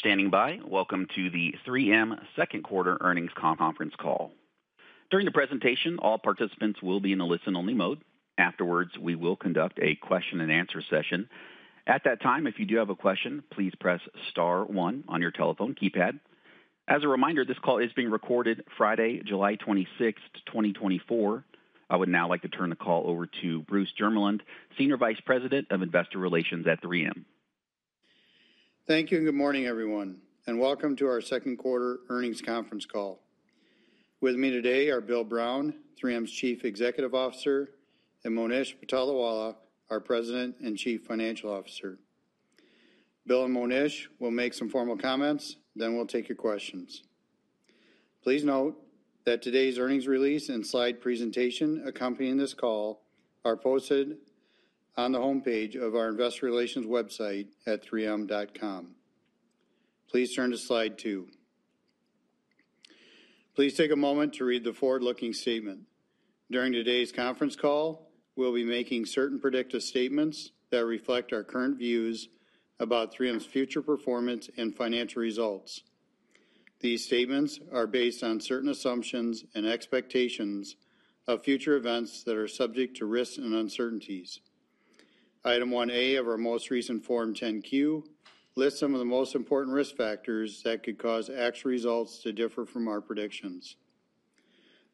Thank you for standing by. Welcome to the 3M Second Quarter Earnings Conference call. During the presentation, all participants will be in a listen-only mode. Afterwards, we will conduct a question-and-answer session. At that time, if you do have a question, please press star one on your telephone keypad. As a reminder, this call is being recorded Friday, July 26th, 2024. I would now like to turn the call over to Bruce Jermeland, Senior Vice President of Investor Relations at 3M. Thank you, and good morning, everyone, and welcome to our Second Quarter Earnings Conference Call. With me today are Bill Brown, 3M's Chief Executive Officer, and Monish Patolawala, our President and Chief Financial Officer. Bill and Monish will make some formal comments, then we'll take your questions. Please note that today's earnings release and slide presentation accompanying this call are posted on the homepage of our Investor Relations website at 3M.com. Please turn to slide two. Please take a moment to read the forward-looking statement. During today's conference call, we'll be making certain predictive statements that reflect our current views about 3M's future performance and financial results. These statements are based on certain assumptions and expectations of future events that are subject to risks and uncertainties. Item 1A of our most recent Form 10-Q lists some of the most important risk factors that could cause actual results to differ from our predictions.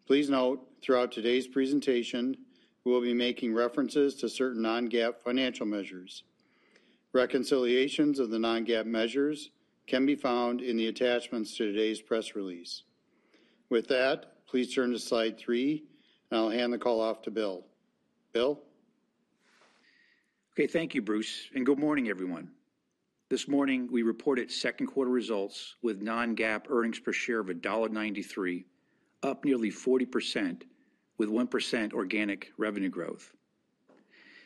Please note throughout today's presentation, we'll be making references to certain non-GAAP financial measures. Reconciliations of the non-GAAP measures can be found in the attachments to today's press release. With that, please turn to slide three, and I'll hand the call off to Bill. Bill? Okay. Thank you, Bruce, and good morning, everyone. This morning, we reported second quarter results with Non-GAAP earnings per share of $1.93, up nearly 40%, with 1% organic revenue growth.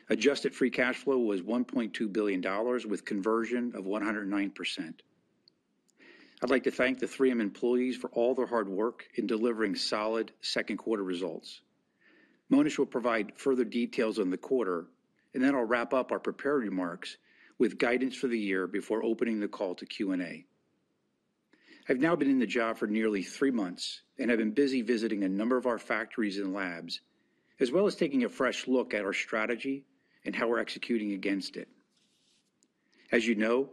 Adjusted free cash flow was $1.2 billion, with conversion of 109%. I'd like to thank the 3M employees for all their hard work in delivering solid second quarter results. Monish will provide further details on the quarter, and then I'll wrap up our prepared remarks with guidance for the year before opening the call to Q&A. I've now been in the job for nearly three months, and I've been busy visiting a number of our factories and labs, as well as taking a fresh look at our strategy and how we're executing against it. As you know,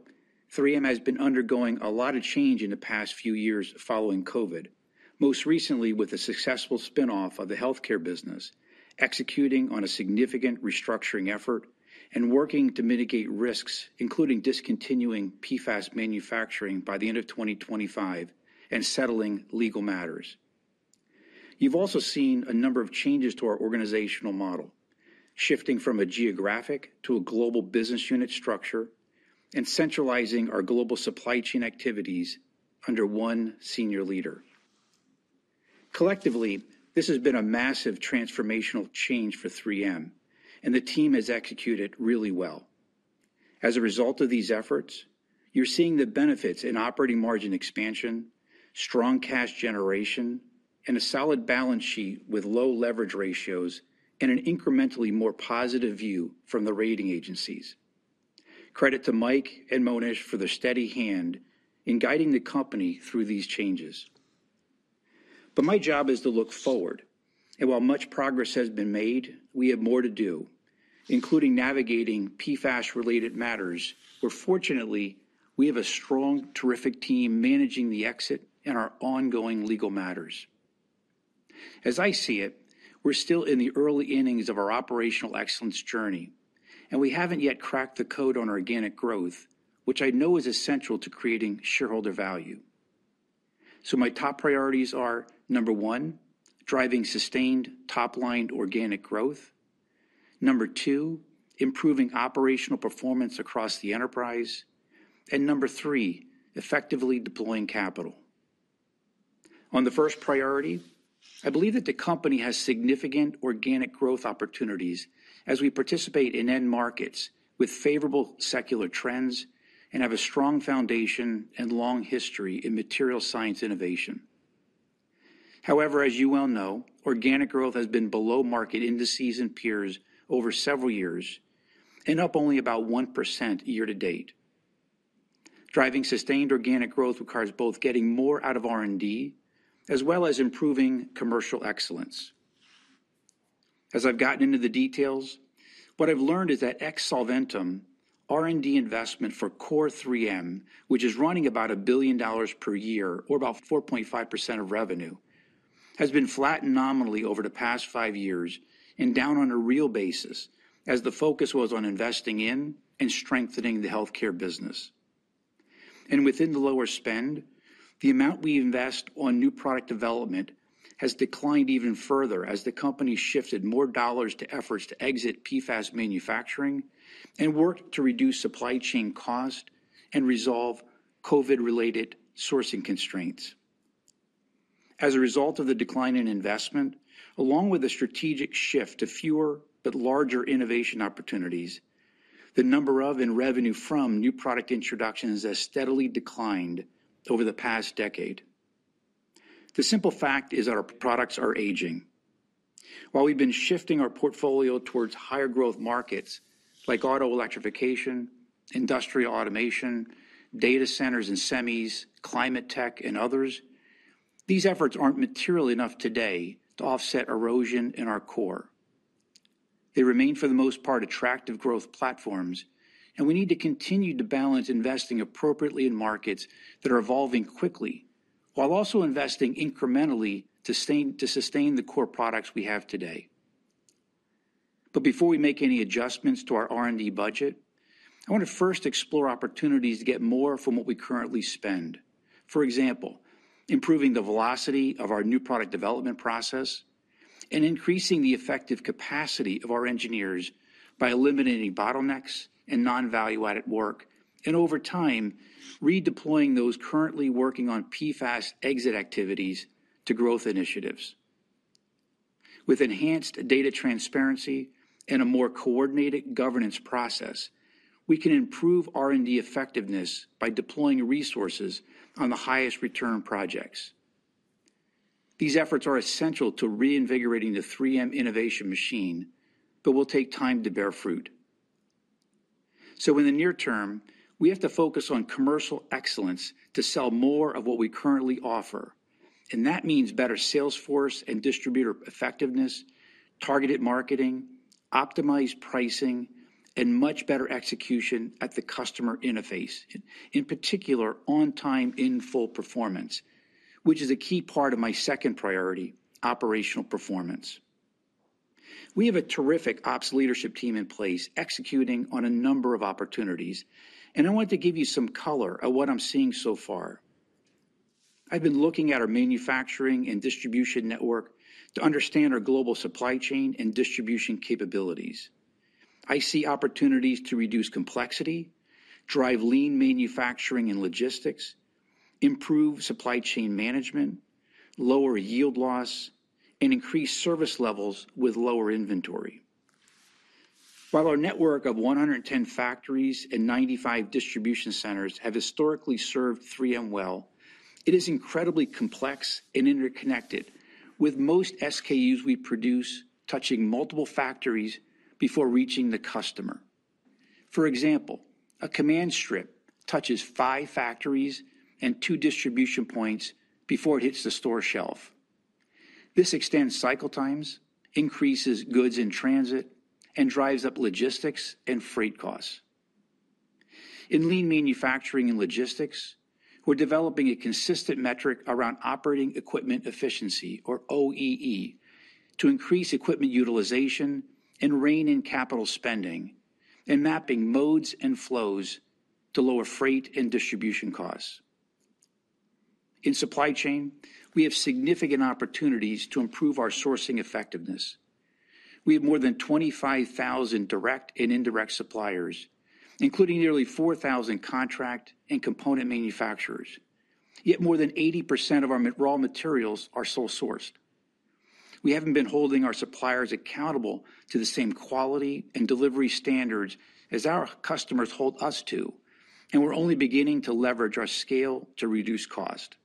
3M has been undergoing a lot of change in the past few years following COVID, most recently with a successful spinoff of the healthcare business, executing on a significant restructuring effort and working to mitigate risks, including discontinuing PFAS manufacturing by the end of 2025 and settling legal matters. You've also seen a number of changes to our organizational model, shifting from a geographic to a global business unit structure and centralizing our global supply chain activities under one senior leader. Collectively, this has been a massive transformational change for 3M, and the team has executed really well. As a result of these efforts, you're seeing the benefits in operating margin expansion, strong cash generation, and a solid balance sheet with low leverage ratios and an incrementally more positive view from the rating agencies. Credit to Mike and Monish for their steady hand in guiding the company through these changes. But my job is to look forward, and while much progress has been made, we have more to do, including navigating PFAS-related matters, where fortunately, we have a strong, terrific team managing the exit and our ongoing legal matters. As I see it, we're still in the early innings of our operational excellence journey, and we haven't yet cracked the code on our organic growth, which I know is essential to creating shareholder value. So my top priorities are, number one, driving sustained top-line organic growth. Number two, improving operational performance across the enterprise. And number three, effectively deploying capital. On the first priority, I believe that the company has significant organic growth opportunities as we participate in end markets with favorable secular trends and have a strong foundation and long history in material science innovation. However, as you well know, organic growth has been below market indices and peers over several years and up only about 1% year-to-date. Driving sustained organic growth requires both getting more out of R&D as well as improving commercial excellence. As I've gotten into the details, what I've learned is that ex Solventum, R&D investment for core 3M, which is running about $1 billion per year, or about 4.5% of revenue, has been flattened nominally over the past five years and down on a real basis as the focus was on investing in and strengthening the healthcare business. Within the lower spend, the amount we invest on new product development has declined even further as the company shifted more dollars to efforts to exit PFAS manufacturing and work to reduce supply chain costs and resolve COVID-related sourcing constraints. As a result of the decline in investment, along with the strategic shift to fewer but larger innovation opportunities, the number of and revenue from new product introductions has steadily declined over the past decade. The simple fact is that our products are aging. While we've been shifting our portfolio towards higher growth markets like auto electrification, industrial automation, data centers and semis, climate tech, and others, these efforts aren't material enough today to offset erosion in our core. They remain, for the most part, attractive growth platforms, and we need to continue to balance investing appropriately in markets that are evolving quickly while also investing incrementally to sustain the core products we have today. But before we make any adjustments to our R&D budget, I want to first explore opportunities to get more from what we currently spend. For example, improving the velocity of our new product development process and increasing the effective capacity of our engineers by eliminating bottlenecks and non-value-added work, and over time, redeploying those currently working on PFAS exit activities to growth initiatives. With enhanced data transparency and a more coordinated governance process, we can improve R&D effectiveness by deploying resources on the highest return projects. These efforts are essential to reinvigorating the 3M innovation machine, but will take time to bear fruit. So in the near term, we have to focus on commercial excellence to sell more of what we currently offer, and that means better sales force and distributor effectiveness, targeted marketing, optimized pricing, and much better execution at the customer interface, in particular on time in full performance, which is a key part of my second priority, operational performance. We have a terrific ops leadership team in place executing on a number of opportunities, and I want to give you some color of what I'm seeing so far. I've been looking at our manufacturing and distribution network to understand our global supply chain and distribution capabilities. I see opportunities to reduce complexity, drive lean manufacturing and logistics, improve supply chain management, lower yield loss, and increase service levels with lower inventory. While our network of 110 factories and 95 distribution centers have historically served 3M well, it is incredibly complex and interconnected, with most SKUs we produce touching multiple factories before reaching the customer. For example, a Command strip touches five factories and two distribution points before it hits the store shelf. This extends cycle times, increases goods in transit, and drives up logistics and freight costs. In lean manufacturing and logistics, we're developing a consistent metric around operating equipment efficiency, or OEE, to increase equipment utilization and rein in capital spending, and mapping modes and flows to lower freight and distribution costs. In supply chain, we have significant opportunities to improve our sourcing effectiveness. We have more than 25,000 direct and indirect suppliers, including nearly 4,000 contract and component manufacturers. Yet more than 80% of our raw materials are sole sourced. We haven't been holding our suppliers accountable to the same quality and delivery standards as our customers hold us to, and we're only beginning to leverage our scale to reduce cost.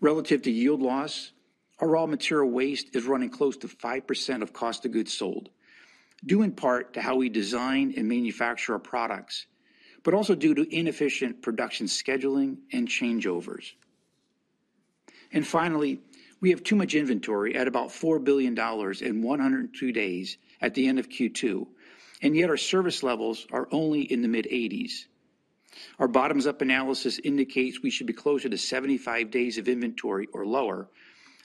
Relative to yield loss, our raw material waste is running close to 5% of cost of goods sold, due in part to how we design and manufacture our products, but also due to inefficient production scheduling and changeovers. And finally, we have too much inventory at about $4 billion in 102 days at the end of Q2, and yet our service levels are only in the mid-80s. Our bottoms-up analysis indicates we should be closer to 75 days of inventory or lower,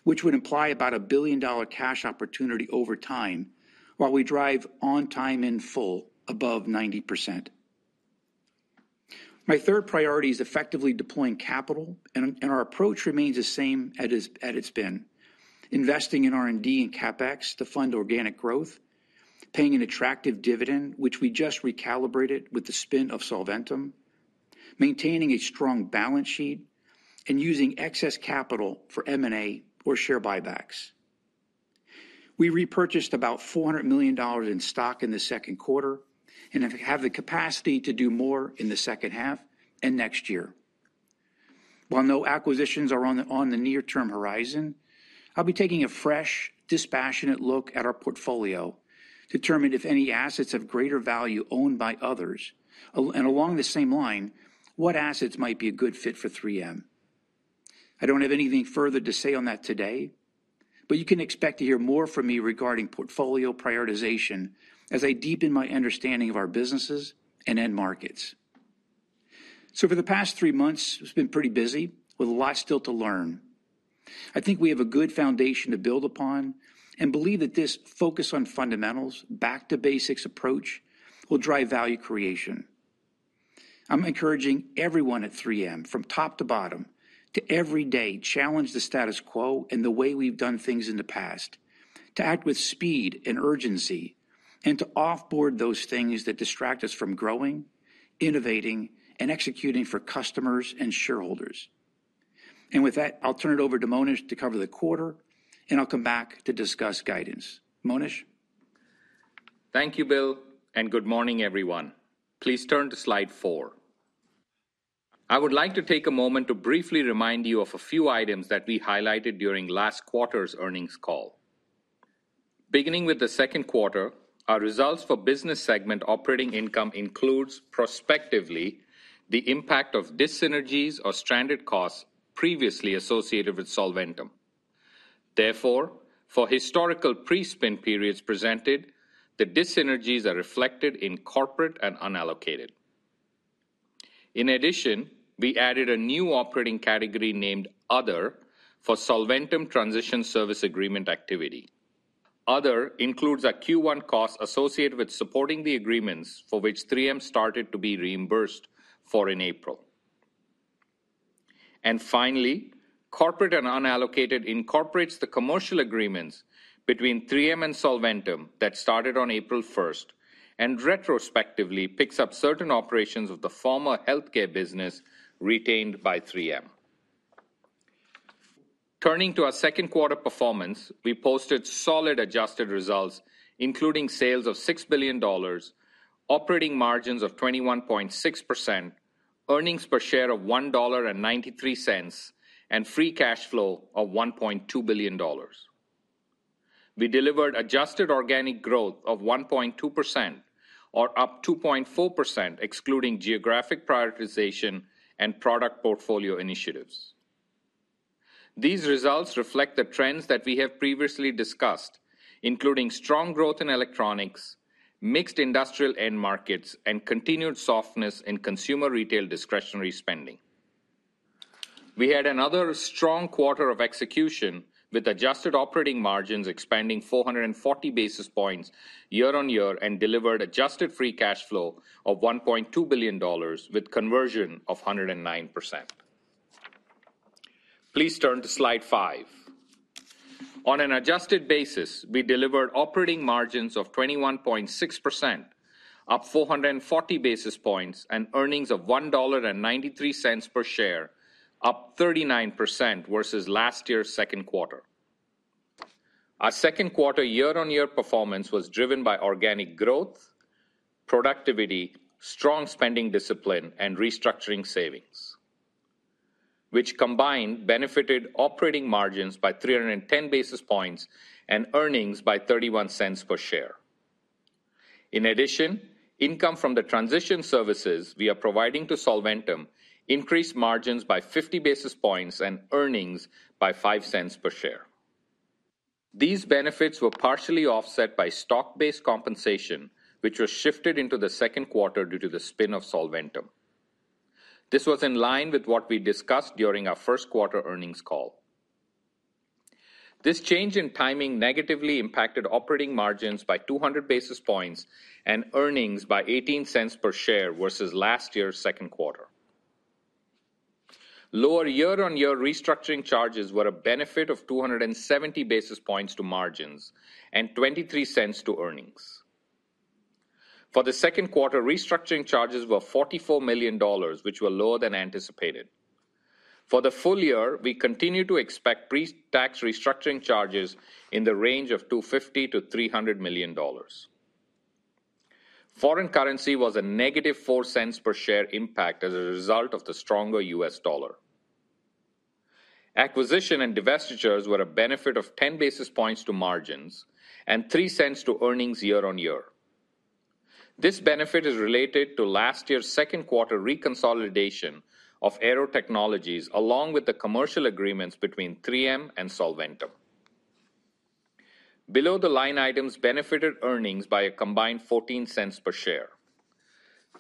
which would imply about a billion-dollar cash opportunity over time, while we drive on time in full above 90%. My third priority is effectively deploying capital, and our approach remains the same as it's been, investing in R&D and CapEx to fund organic growth, paying an attractive dividend, which we just recalibrated with the spin of Solventum, maintaining a strong balance sheet, and using excess capital for M&A or share buybacks. We repurchased about $400 million in stock in the second quarter and have the capacity to do more in the second half and next year. While no acquisitions are on the near-term horizon, I'll be taking a fresh, dispassionate look at our portfolio to determine if any assets have greater value owned by others, and along the same line, what assets might be a good fit for 3M. I don't have anything further to say on that today, but you can expect to hear more from me regarding portfolio prioritization as I deepen my understanding of our businesses and end markets. So for the past three months, it's been pretty busy with a lot still to learn. I think we have a good foundation to build upon and believe that this focus on fundamentals, back-to-basics approach, will drive value creation. I'm encouraging everyone at 3M, from top to bottom, to every day, challenge the status quo and the way we've done things in the past, to act with speed and urgency, and to offboard those things that distract us from growing, innovating, and executing for customers and shareholders. With that, I'll turn it over to Monish to cover the quarter, and I'll come back to discuss guidance. Monish? Thank you, Bill, and good morning, everyone. Please turn to slide four. I would like to take a moment to briefly remind you of a few items that we highlighted during last quarter's earnings call. Beginning with the second quarter, our results for business segment operating income includes, prospectively, the impact of disynergies or stranded costs previously associated with Solventum. Therefore, for historical pre-spin periods presented, the disynergies are reflected in Corporate and Unallocated. In addition, we added a new operating category named Other for Solventum Transition Service Agreement activity. Other includes a Q1 cost associated with supporting the agreements for which 3M started to be reimbursed for in April. Finally, Corporate and Unallocated incorporates the commercial agreements between 3M and Solventum that started on April 1st and retrospectively picks up certain operations of the former healthcare business retained by 3M. Turning to our second quarter performance, we posted solid adjusted results, including sales of $6 billion, operating margins of 21.6%, earnings per share of $1.93, and free cash flow of $1.2 billion. We delivered adjusted organic growth of 1.2%, or up 2.4%, excluding geographic prioritization and product portfolio initiatives. These results reflect the trends that we have previously discussed, including strong growth in electronics, mixed industrial end markets, and continued softness in consumer retail discretionary spending. We had another strong quarter of execution with adjusted operating margins expanding 440 basis points year-on-year and delivered adjusted free cash flow of $1.2 billion, with conversion of 109%. Please turn to slide five. On an adjusted basis, we delivered operating margins of 21.6%, up 440 basis points, and earnings of $1.93 per share, up 39% versus last year's second quarter. Our second quarter year-on-year performance was driven by organic growth, productivity, strong spending discipline, and restructuring savings, which combined benefited operating margins by 310 basis points and earnings by $0.31 per share. In addition, income from the transition services we are providing to Solventum increased margins by 50 basis points and earnings by $0.05 per share. These benefits were partially offset by stock-based compensation, which was shifted into the second quarter due to the spin of Solventum. This was in line with what we discussed during our first quarter earnings call. This change in timing negatively impacted operating margins by 200 basis points and earnings by $0.18 per share versus last year's second quarter. Lower year-on-year restructuring charges were a benefit of 270 basis points to margins and $0.23 to earnings. For the second quarter, restructuring charges were $44 million, which were lower than anticipated. For the full year, we continue to expect pre-tax restructuring charges in the range of $250 million-$300 million. Foreign currency was a -$0.04 per share impact as a result of the stronger U.S. dollar. Acquisition and divestitures were a benefit of 10 basis points to margins and $0.03 to earnings year-on-year. This benefit is related to last year's second quarter reconsolidation of Aearo Technologies along with the commercial agreements between 3M and Solventum. Below the line items benefited earnings by a combined $0.14 per share.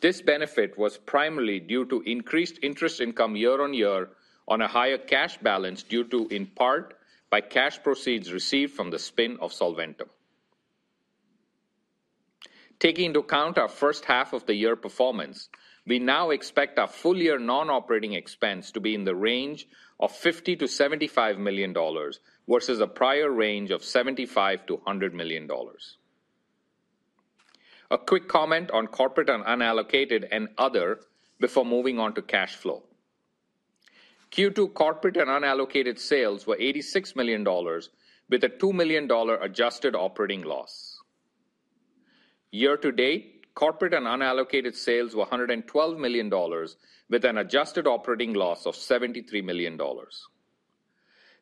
This benefit was primarily due to increased interest income year-on-year on a higher cash balance due to, in part, by cash proceeds received from the spin of Solventum. Taking into account our first half of the year performance, we now expect our full year non-operating expense to be in the range of $50 million-$75 million versus a prior range of $75 million-$100 million. A quick comment on corporate and unallocated and other before moving on to cash flow. Q2 corporate and unallocated sales were $86 million, with a $2 million adjusted operating loss. Year-to-date, corporate and unallocated sales were $112 million, with an adjusted operating loss of $73 million.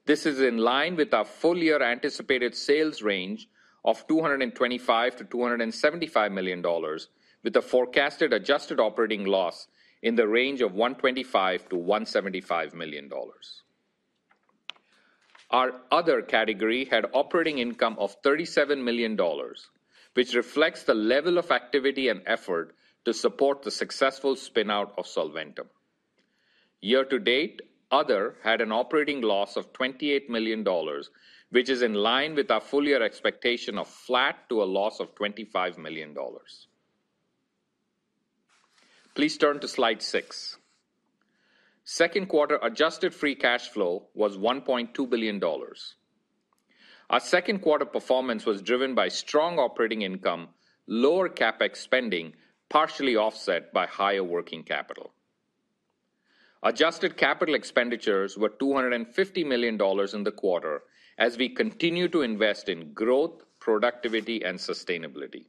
This is in line with our full year anticipated sales range of $225 million-$275 million, with a forecasted adjusted operating loss in the range of $125 million-$175 million. Our other category had operating income of $37 million, which reflects the level of activity and effort to support the successful spin-out of Solventum. Year-to-date, other had an operating loss of $28 million, which is in line with our full year expectation of flat to a loss of $25 million. Please turn to slide six. Second quarter adjusted free cash flow was $1.2 billion. Our second quarter performance was driven by strong operating income, lower CapEx spending, partially offset by higher working capital. Adjusted capital expenditures were $250 million in the quarter as we continue to invest in growth, productivity, and sustainability.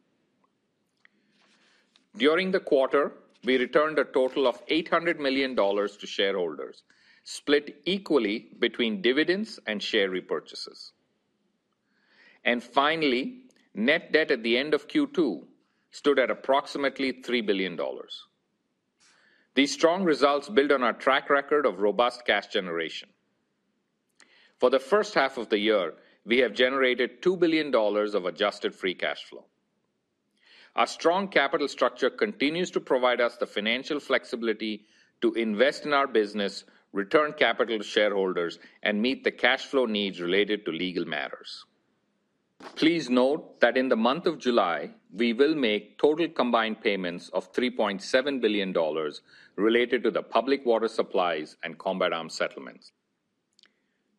During the quarter, we returned a total of $800 million to shareholders, split equally between dividends and share repurchases. And finally, net debt at the end of Q2 stood at approximately $3 billion. These strong results build on our track record of robust cash generation. For the first half of the year, we have generated $2 billion of adjusted free cash flow. Our strong capital structure continues to provide us the financial flexibility to invest in our business, return capital to shareholders, and meet the cash flow needs related to legal matters. Please note that in the month of July, we will make total combined payments of $3.7 billion related to the public water supplies and Combat Arms settlements.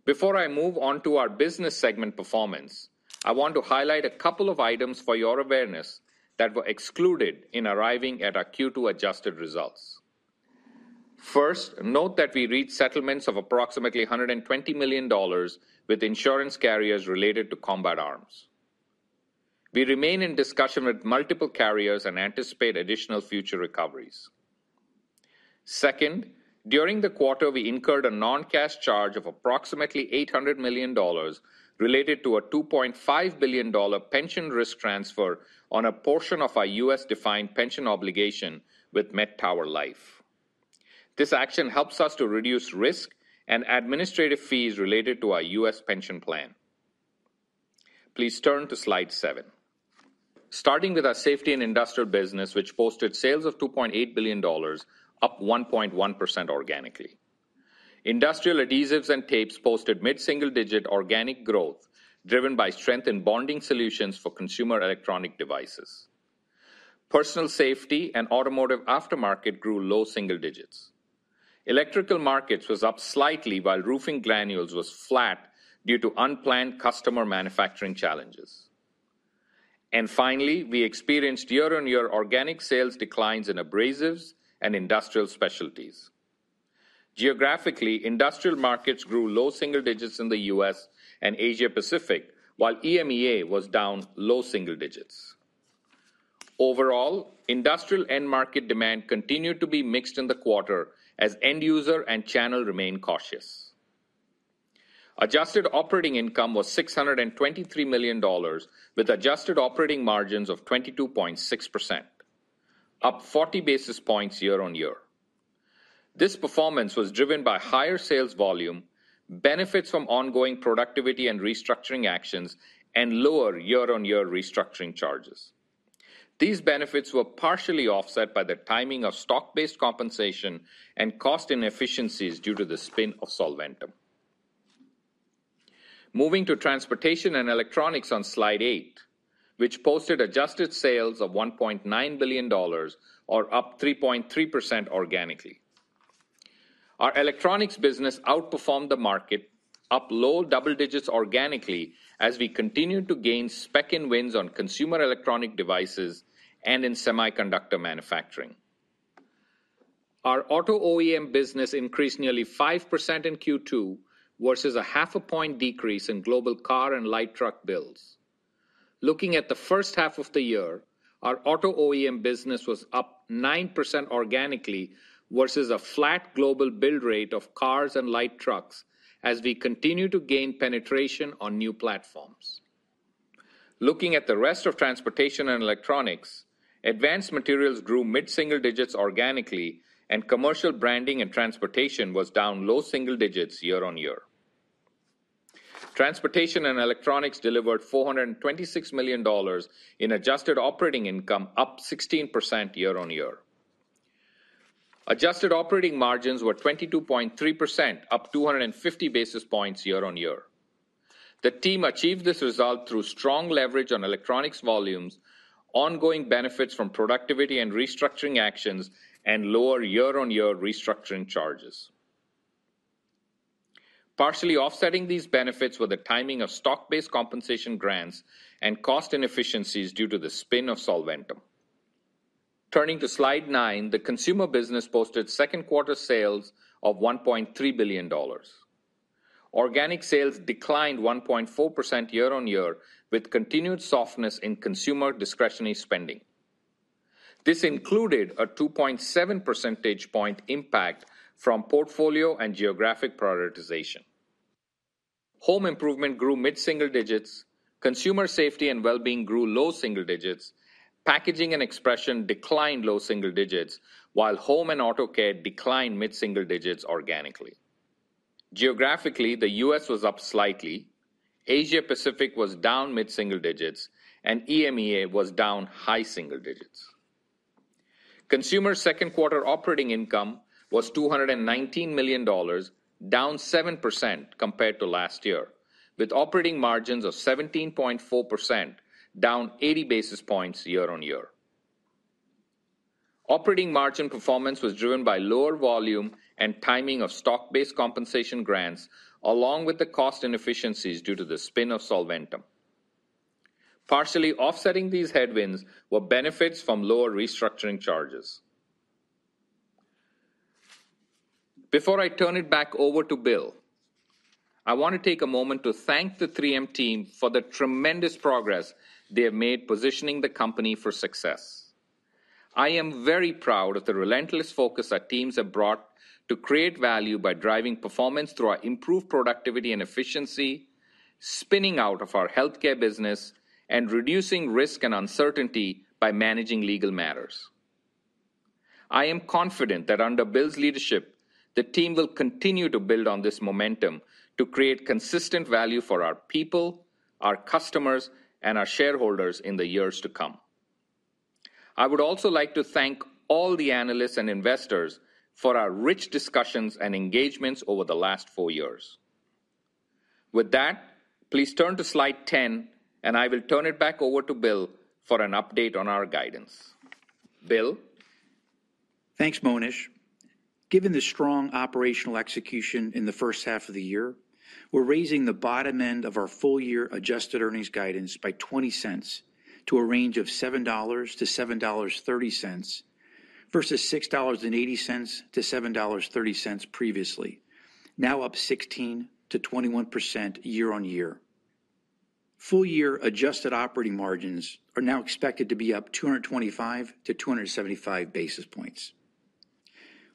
Before I move on to our business segment performance, I want to highlight a couple of items for your awareness that were excluded in arriving at our Q2 adjusted results. First, note that we reached settlements of approximately $120 million with insurance carriers related to Combat Arms. We remain in discussion with multiple carriers and anticipate additional future recoveries. Second, during the quarter, we incurred a non-cash charge of approximately $800 million related to a $2.5 billion pension risk transfer on a portion of our U.S.-defined pension obligation with Met Tower Life. This action helps us to reduce risk and administrative fees related to our U.S. pension plan. Please turn to slide seven. Starting with our Safety and Industrial business, which posted sales of $2.8 billion, up 1.1% organically. Industrial Adhesives and Tapes posted mid-single-digit organic growth driven by strength in bonding solutions for consumer electronic devices. Personal Safety and Automotive Aftermarket grew low single digits. Electrical Markets was up slightly while Roofing Granules was flat due to unplanned customer manufacturing challenges. And finally, we experienced year-on-year organic sales declines in Abrasives and Industrial Specialties. Geographically, industrial markets grew low single digits in the U.S. and Asia-Pacific, while EMEA was down low single digits. Overall, industrial end market demand continued to be mixed in the quarter as end user and channel remain cautious. Adjusted operating income was $623 million, with adjusted operating margins of 22.6%, up 40 basis points year-on-year. This performance was driven by higher sales volume, benefits from ongoing productivity and restructuring actions, and lower year-on-year restructuring charges. These benefits were partially offset by the timing of stock-based compensation and cost inefficiencies due to the spin of Solventum. Moving to Transportation and Electronics on slide 8, which posted adjusted sales of $1.9 billion, or up 3.3% organically. Our electronics business outperformed the market, up low double digits organically as we continued to gain spec-in wins on consumer electronic devices and in semiconductor manufacturing. Our auto OEM business increased nearly 5% in Q2 versus a 0.5-point decrease in global car and light truck builds. Looking at the first half of the year, our auto OEM business was up 9% organically versus a flat global build rate of cars and light trucks as we continue to gain penetration on new platforms. Looking at the rest of Transportation and Electronics, Advanced Materials grew mid-single digits organically, and Commercial Branding and Transportation was down low single digits year-on-year. Transportation and Electronics delivered $426 million in adjusted operating income, up 16% year-on-year. Adjusted operating margins were 22.3%, up 250 basis points year-on-year. The team achieved this result through strong leverage on electronics volumes, ongoing benefits from productivity and restructuring actions, and lower year-on-year restructuring charges. Partially offsetting these benefits were the timing of stock-based compensation grants and cost inefficiencies due to the spin of Solventum. Turning to slide nine, the consumer business posted second quarter sales of $1.3 billion. Organic sales declined 1.4% year-on-year with continued softness in consumer discretionary spending. This included a 2.7 percentage point impact from portfolio and geographic prioritization. Home Improvement grew mid-single digits. Consumer Safety and Well-Being grew low single digits. Packaging and Expression declined low single digits, while Home and Auto Care declined mid-single digits organically. Geographically, the U.S. was up slightly. Asia-Pacific was down mid-single digits, and EMEA was down high single digits. Consumer second quarter operating income was $219 million, down 7% compared to last year, with operating margins of 17.4%, down 80 basis points year-on-year. Operating margin performance was driven by lower volume and timing of stock-based compensation grants, along with the cost inefficiencies due to the spin of Solventum. Partially offsetting these headwinds were benefits from lower restructuring charges. Before I turn it back over to Bill, I want to take a moment to thank the 3M team for the tremendous progress they have made positioning the company for success. I am very proud of the relentless focus our teams have brought to create value by driving performance through our improved productivity and efficiency, spinning out of our healthcare business, and reducing risk and uncertainty by managing legal matters. I am confident that under Bill's leadership, the team will continue to build on this momentum to create consistent value for our people, our customers, and our shareholders in the years to come. I would also like to thank all the analysts and investors for our rich discussions and engagements over the last four years. With that, please turn to slide 10, and I will turn it back over to Bill for an update on our guidance. Bill. Thanks, Monish. Given the strong operational execution in the first half of the year, we're raising the bottom end of our full year adjusted earnings guidance by $0.20 to a range of $7-$7.30 versus $6.80-$7.30 previously, now up 16%-21% year-on-year. Full year adjusted operating margins are now expected to be up 225-275 basis points.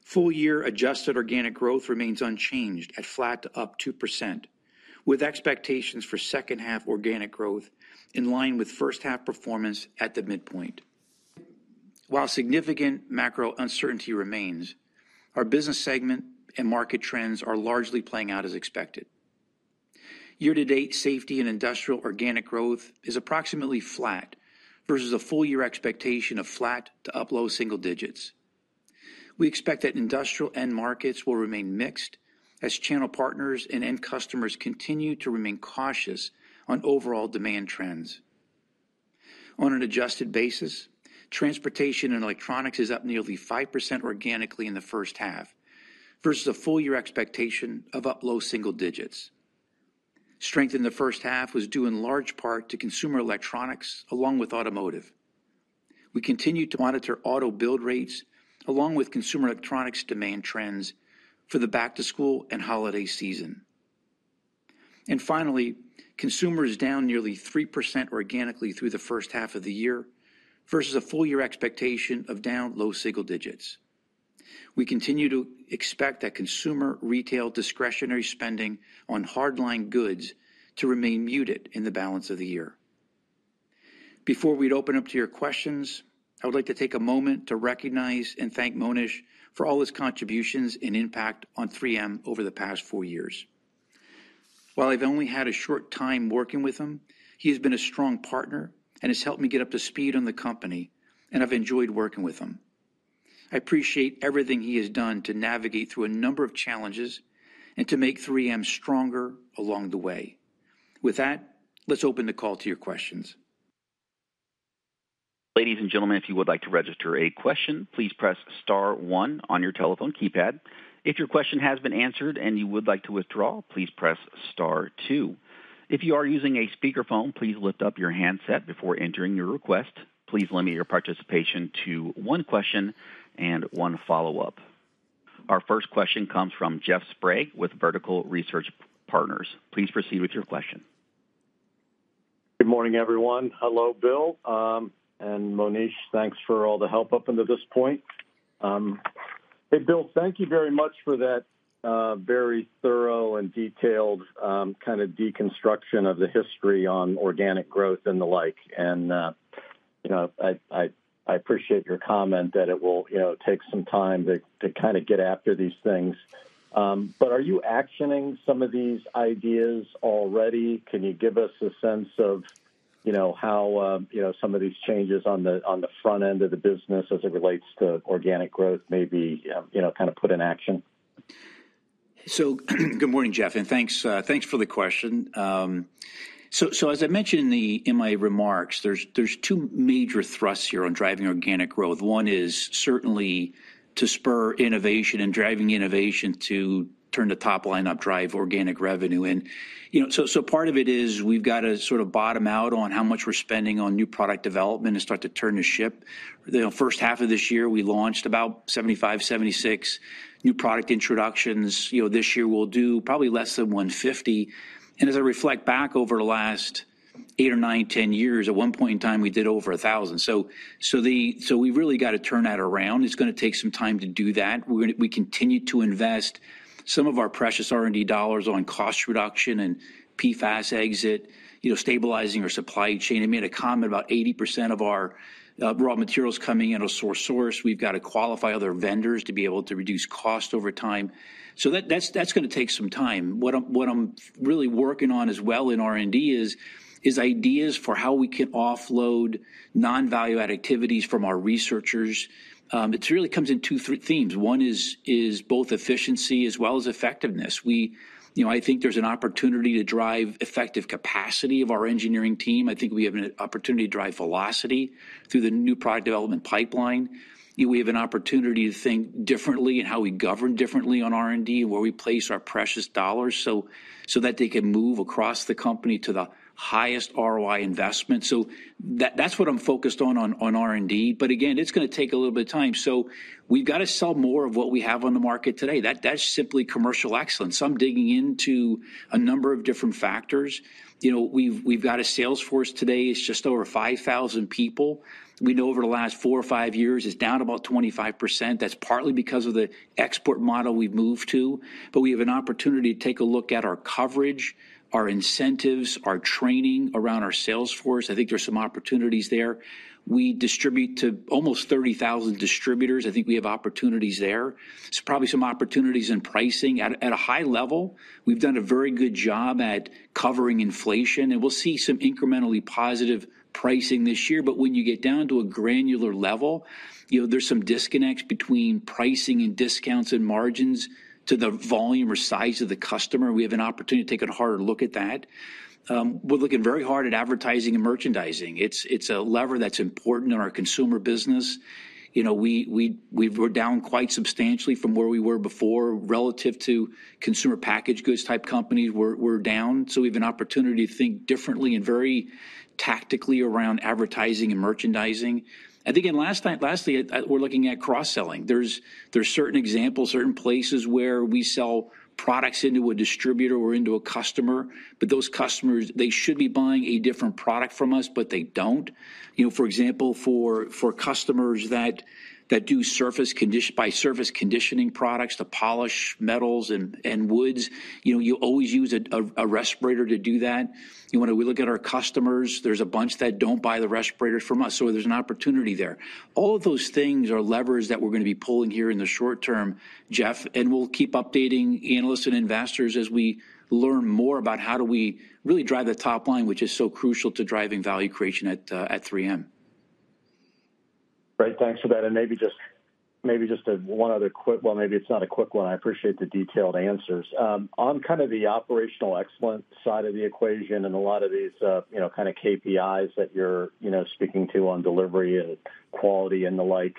Full year adjusted organic growth remains unchanged at flat to up 2%, with expectations for second half organic growth in line with first half performance at the midpoint. While significant macro uncertainty remains, our business segment and market trends are largely playing out as expected. Year-to-date, Safety and Industrial organic growth is approximately flat versus a full year expectation of flat to up low single digits. We expect that industrial end markets will remain mixed as channel partners and end customers continue to remain cautious on overall demand trends. On an adjusted basis, Transportation and Electronics is up nearly 5% organically in the first half versus a full year expectation of up low single digits. Strength in the first half was due in large part to consumer electronics along with automotive. We continue to monitor auto build rates along with consumer electronics demand trends for the back to school and holiday season. Finally, Consumer down nearly 3% organically through the first half of the year versus a full year expectation of down low single digits. We continue to expect that consumer retail discretionary spending on hardline goods to remain muted in the balance of the year. Before we open up to your questions, I would like to take a moment to recognize and thank Monish for all his contributions and impact on 3M over the past four years. While I've only had a short time working with him, he has been a strong partner and has helped me get up to speed on the company, and I've enjoyed working with him. I appreciate everything he has done to navigate through a number of challenges and to make 3M stronger along the way. With that, let's open the call to your questions. Ladies, and gentlemen, if you would like to register a question, please press star one on your telephone keypad. If your question has been answered and you would like to withdraw, please press star two. If you are using a speakerphone, please lift up your handset before entering your request. Please limit your participation to one question and one follow-up. Our first question comes from Jeff Sprague with Vertical Research Partners. Please proceed with your question. Good morning, everyone. Hello, Bill and Monish. Thanks for all the help up until this point. Hey, Bill, thank you very much for that very thorough and detailed kind of deconstruction of the history on organic growth and the like. I appreciate your comment that it will take some time to kind of get after these things. But are you actioning some of these ideas already? Can you give us a sense of how some of these changes on the front end of the business as it relates to organic growth may be kind of put in action? So good morning, Jeff, and thanks for the question. So as I mentioned in my remarks, there's two major thrusts here on driving organic growth. One is certainly to spur innovation and driving innovation to turn the top line up, drive organic revenue. Part of it is we've got to sort of bottom out on how much we're spending on new product development and start to turn the ship. The first half of this year, we launched about 75, 76 new product introductions. This year, we'll do probably less than 150. As I reflect back over the last eight or nine, 10 years, at one point in time, we did over 1,000. So we really got to turn that around. It's going to take some time to do that. We continue to invest some of our precious R&D dollars on cost reduction and PFAS exit, stabilizing our supply chain. I made a comment about 80% of our raw materials coming in single source. We've got to qualify other vendors to be able to reduce cost over time. So that's going to take some time. What I'm really working on as well in R&D is ideas for how we can offload non-value added activities from our researchers. It really comes in two themes. One is both efficiency as well as effectiveness. I think there's an opportunity to drive effective capacity of our engineering team. I think we have an opportunity to drive velocity through the new product development pipeline. We have an opportunity to think differently and how we govern differently on R&D and where we place our precious dollars so that they can move across the company to the highest ROI investment. So that's what I'm focused on on R&D. But again, it's going to take a little bit of time. So we've got to sell more of what we have on the market today. That's simply commercial excellence. I'm digging into a number of different factors. We've got a sales force today. It's just over 5,000 people. We know over the last four or five years, it's down about 25%. That's partly because of the export model we've moved to. But we have an opportunity to take a look at our coverage, our incentives, our training around our sales force. I think there's some opportunities there. We distribute to almost 30,000 distributors. I think we have opportunities there. There's probably some opportunities in pricing. At a high level, we've done a very good job at covering inflation, and we'll see some incrementally positive pricing this year. But when you get down to a granular level, there's some disconnects between pricing and discounts and margins to the volume or size of the customer. We have an opportunity to take a harder look at that. We're looking very hard at advertising and merchandising. It's a lever that's important in our consumer business. We're down quite substantially from where we were before relative to consumer packaged goods type companies. We're down. So we have an opportunity to think differently and very tactically around advertising and merchandising. I think lastly, we're looking at cross-selling. There's certain examples, certain places where we sell products into a distributor or into a customer, but those customers, they should be buying a different product from us, but they don't. For example, for customers that do surface conditioning products to polish metals and woods, you always use a respirator to do that. When we look at our customers, there's a bunch that don't buy the respirators from us. So there's an opportunity there. All of those things are levers that we're going to be pulling here in the short term, Jeff, and we'll keep updating analysts and investors as we learn more about how do we really drive the top line, which is so crucial to driving value creation at 3M. Great. Thanks for that. And maybe just one other quick. Well, maybe it's not a quick one. I appreciate the detailed answers. On kind of the operational excellence side of the equation and a lot of these kind of KPIs that you're speaking to on delivery and quality and the like,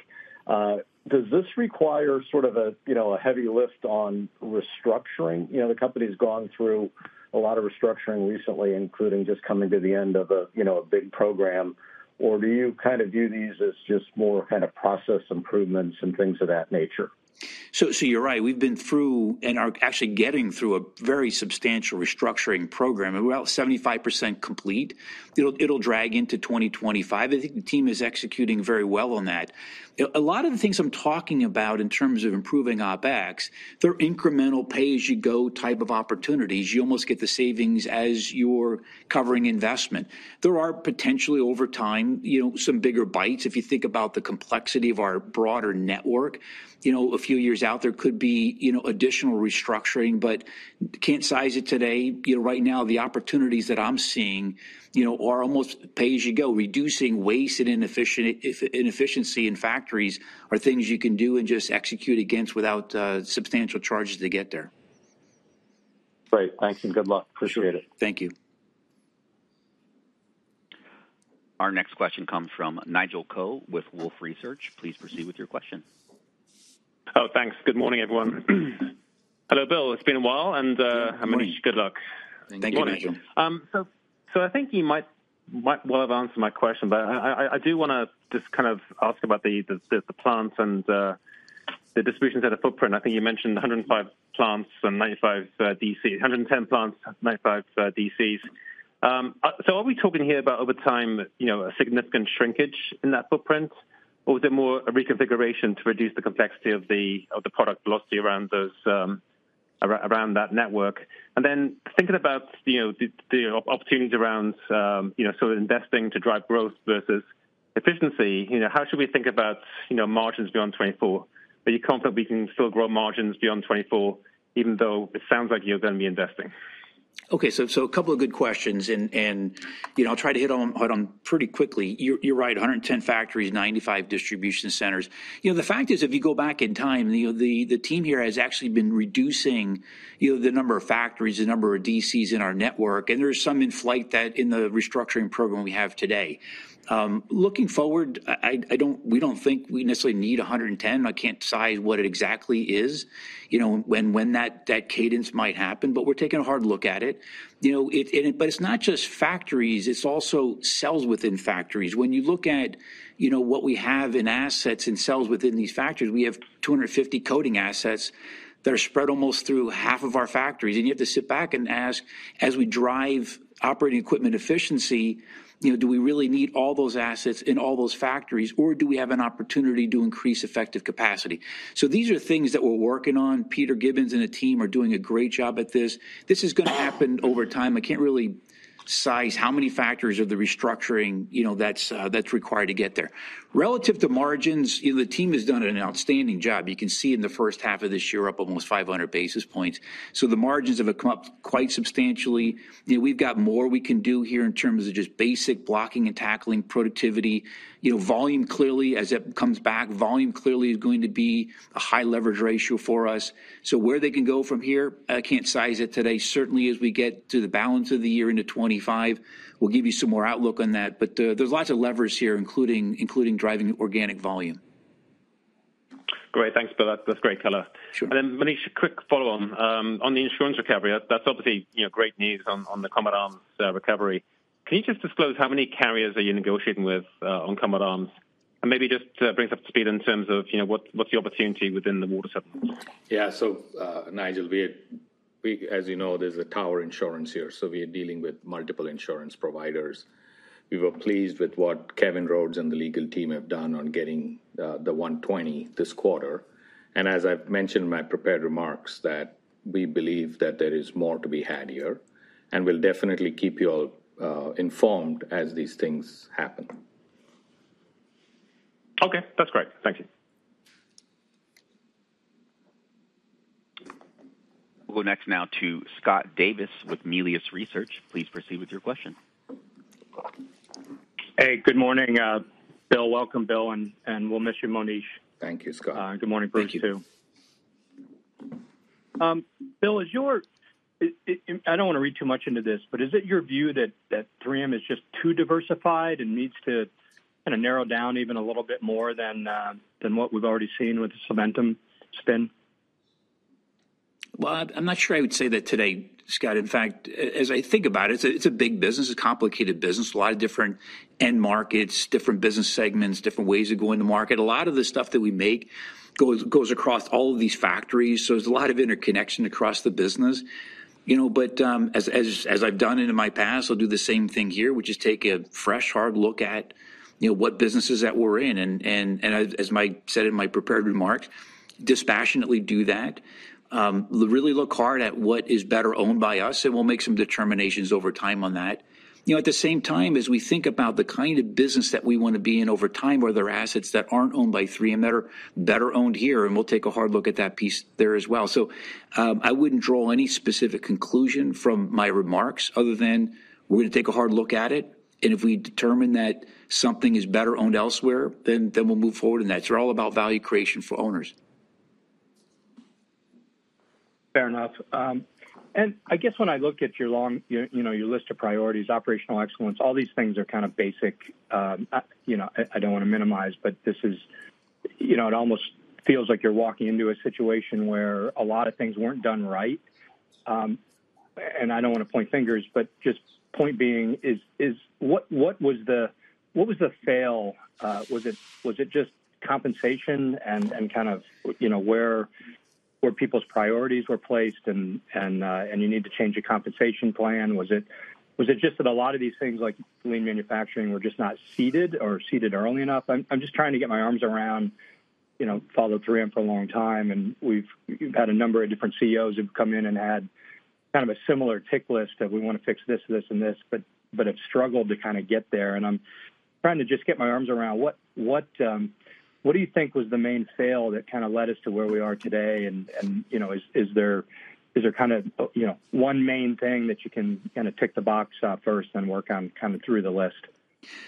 does this require sort of a heavy lift on restructuring? The company's gone through a lot of restructuring recently, including just coming to the end of a big program. Or do you kind of view these as just more kind of process improvements and things of that nature? So you're right. We've been through and are actually getting through a very substantial restructuring program. We're about 75% complete. It'll drag into 2025. I think the team is executing very well on that. A lot of the things I'm talking about in terms of improving OpEx, they're incremental pay-as-you-go type of opportunities. You almost get the savings as you're covering investment. There are potentially, over time, some bigger bites. If you think about the complexity of our broader network, a few years out, there could be additional restructuring, but can't size it today. Right now, the opportunities that I'm seeing are almost pay-as-you-go. Reducing waste and inefficiency in factories are things you can do and just execute against without substantial charges to get there. Great. Thanks and good luck. Appreciate it. Thank you. Our next question comes from Nigel Coe with Wolfe Research. Please proceed with your question. Oh, thanks. Good morning, everyone. Hello, Bill. It's been a while, and Monish, good luck. Thank you, Nigel. So I think you might well have answered my question, but I do want to just kind of ask about the plants and the distribution center footprint. I think you mentioned 105 plants and 95 DC, 110 plants, 95 DCs. So are we talking here about, over time, a significant shrinkage in that footprint, or is it more a reconfiguration to reduce the complexity of the product velocity around that network? And then thinking about the opportunities around sort of investing to drive growth versus efficiency, how should we think about margins beyond 2024? Are you confident we can still grow margins beyond 2024, even though it sounds like you're going to be investing? Okay. So a couple of good questions, and I'll try to hit on pretty quickly. You're right, 110 factories, 95 distribution centers. The fact is, if you go back in time, the team here has actually been reducing the number of factories, the number of DCs in our network, and there's some in flight in the restructuring program we have today. Looking forward, we don't think we necessarily need 110. I can't decide what it exactly is, when that cadence might happen, but we're taking a hard look at it. But it's not just factories. It's also cells within factories. When you look at what we have in assets and cells within these factories, we have 250 coding assets that are spread almost through half of our factories. And you have to sit back and ask, as we drive operating equipment efficiency, do we really need all those assets in all those factories, or do we have an opportunity to increase effective capacity? So these are things that we're working on. Peter Gibbons and a team are doing a great job at this. This is going to happen over time. I can't really size how many factories of the restructuring that's required to get there. Relative to margins, the team has done an outstanding job. You can see in the first half of this year, up almost 500 basis points. So the margins have come up quite substantially. We've got more we can do here in terms of just basic blocking and tackling productivity. Volume, clearly, as it comes back, volume, clearly, is going to be a high leverage ratio for us. So where they can go from here, I can't size it today. Certainly, as we get to the balance of the year into 2025, we'll give you some more outlook on that. But there's lots of levers here, including driving organic volume. Great. Thanks, Bill. That's great color. And then, Monish, a quick follow-on on the insurance recovery. That's obviously great news on the Combat Arms' recovery. Can you just disclose how many carriers are you negotiating with on Combat Arms'? And maybe just bring us up to speed in terms of what's the opportunity within the water? Yeah. So, Nigel, as you know, there's a tower insurance here. So we are dealing with multiple insurance providers. We were pleased with what Kevin Rhodes and the legal team have done on getting the $120 million this quarter. And as I've mentioned in my prepared remarks, that we believe that there is more to be had here, and we'll definitely keep you all informed as these things happen. Okay. That's great. Thank you. We'll go next now to Scott Davis with Melius Research. Please proceed with your question. Hey, good morning, Bill. Welcome, Bill, and we'll miss you, Monish. Thank you, Scott. Good morning, Bruce, too. Thank you. Bill, I don't want to read too much into this, but is it your view that 3M is just too diversified and needs to kind of narrow down even a little bit more than what we've already seen with the Solventum spin? Well, I'm not sure I would say that today, Scott. In fact, as I think about it, it's a big business. It's a complicated business. A lot of different end markets, different business segments, different ways of going to market. A lot of the stuff that we make goes across all of these factories. So there's a lot of interconnection across the business. But as I've done in my past, I'll do the same thing here, which is take a fresh, hard look at what businesses that we're in. And as I said in my prepared remarks, dispassionately do that. Really look hard at what is better owned by us, and we'll make some determinations over time on that. At the same time, as we think about the kind of business that we want to be in over time, where there are assets that aren't owned by 3M, that are better owned here, and we'll take a hard look at that piece there as well. So I wouldn't draw any specific conclusion from my remarks other than we're going to take a hard look at it. And if we determine that something is better owned elsewhere, then we'll move forward. And that's all about value creation for owners. Fair enough. I guess when I look at your list of priorities, operational excellence, all these things are kind of basic. I don't want to minimize, but this, it almost feels like you're walking into a situation where a lot of things weren't done right. I don't want to point fingers, but just point being is what was the fail? Was it just compensation and kind of where people's priorities were placed and you need to change your compensation plan? Was it just that a lot of these things like lean manufacturing were just not seeded or seeded early enough? I'm just trying to get my arms around. I've followed 3M for a long time. And we've had a number of different CEOs who've come in and had kind of a similar tick list of, "We want to fix this, this, and this," but have struggled to kind of get there. And I'm trying to just get my arms around what do you think was the main fail that kind of led us to where we are today? And is there kind of one main thing that you can kind of tick the box off first and work on kind of through the list?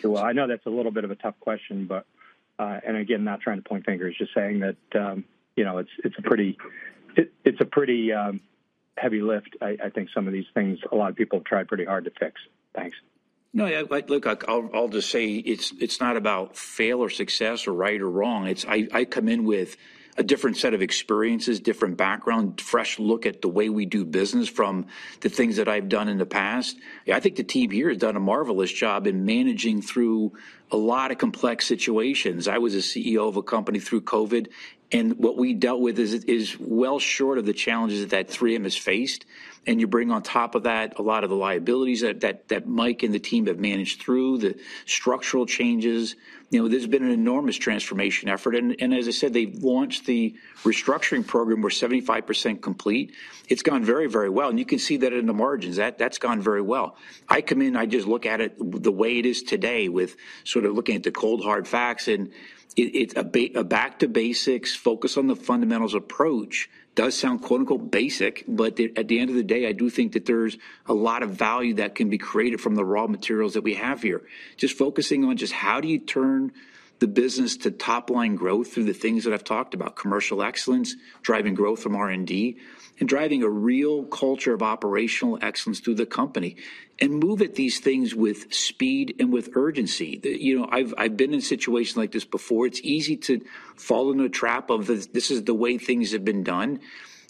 Well, I know that's a little bit of a tough question, but and again, not trying to point fingers, just saying that it's a pretty heavy lift, I think, some of these things a lot of people have tried pretty hard to fix. Thanks. No, look, I'll just say it's not about fail or success or right or wrong. I come in with a different set of experiences, different background, fresh look at the way we do business from the things that I've done in the past. I think the team here has done a marvelous job in managing through a lot of complex situations. I was a CEO of a company through COVID, and what we dealt with is well short of the challenges that 3M has faced. And you bring on top of that a lot of the liabilities that Mike and the team have managed through the structural changes. There's been an enormous transformation effort. And as I said, they launched the restructuring program. We're 75% complete. It's gone very, very well. And you can see that in the margins. That's gone very well. I come in, I just look at it the way it is today with sort of looking at the cold, hard facts. It's a back-to-basics, focus on the fundamentals approach. It does sound "basic," but at the end of the day, I do think that there's a lot of value that can be created from the raw materials that we have here. Just focusing on just how do you turn the business to top-line growth through the things that I've talked about, commercial excellence, driving growth from R&D, and driving a real culture of operational excellence through the company, and move at these things with speed and with urgency. I've been in situations like this before. It's easy to fall into a trap of, "This is the way things have been done."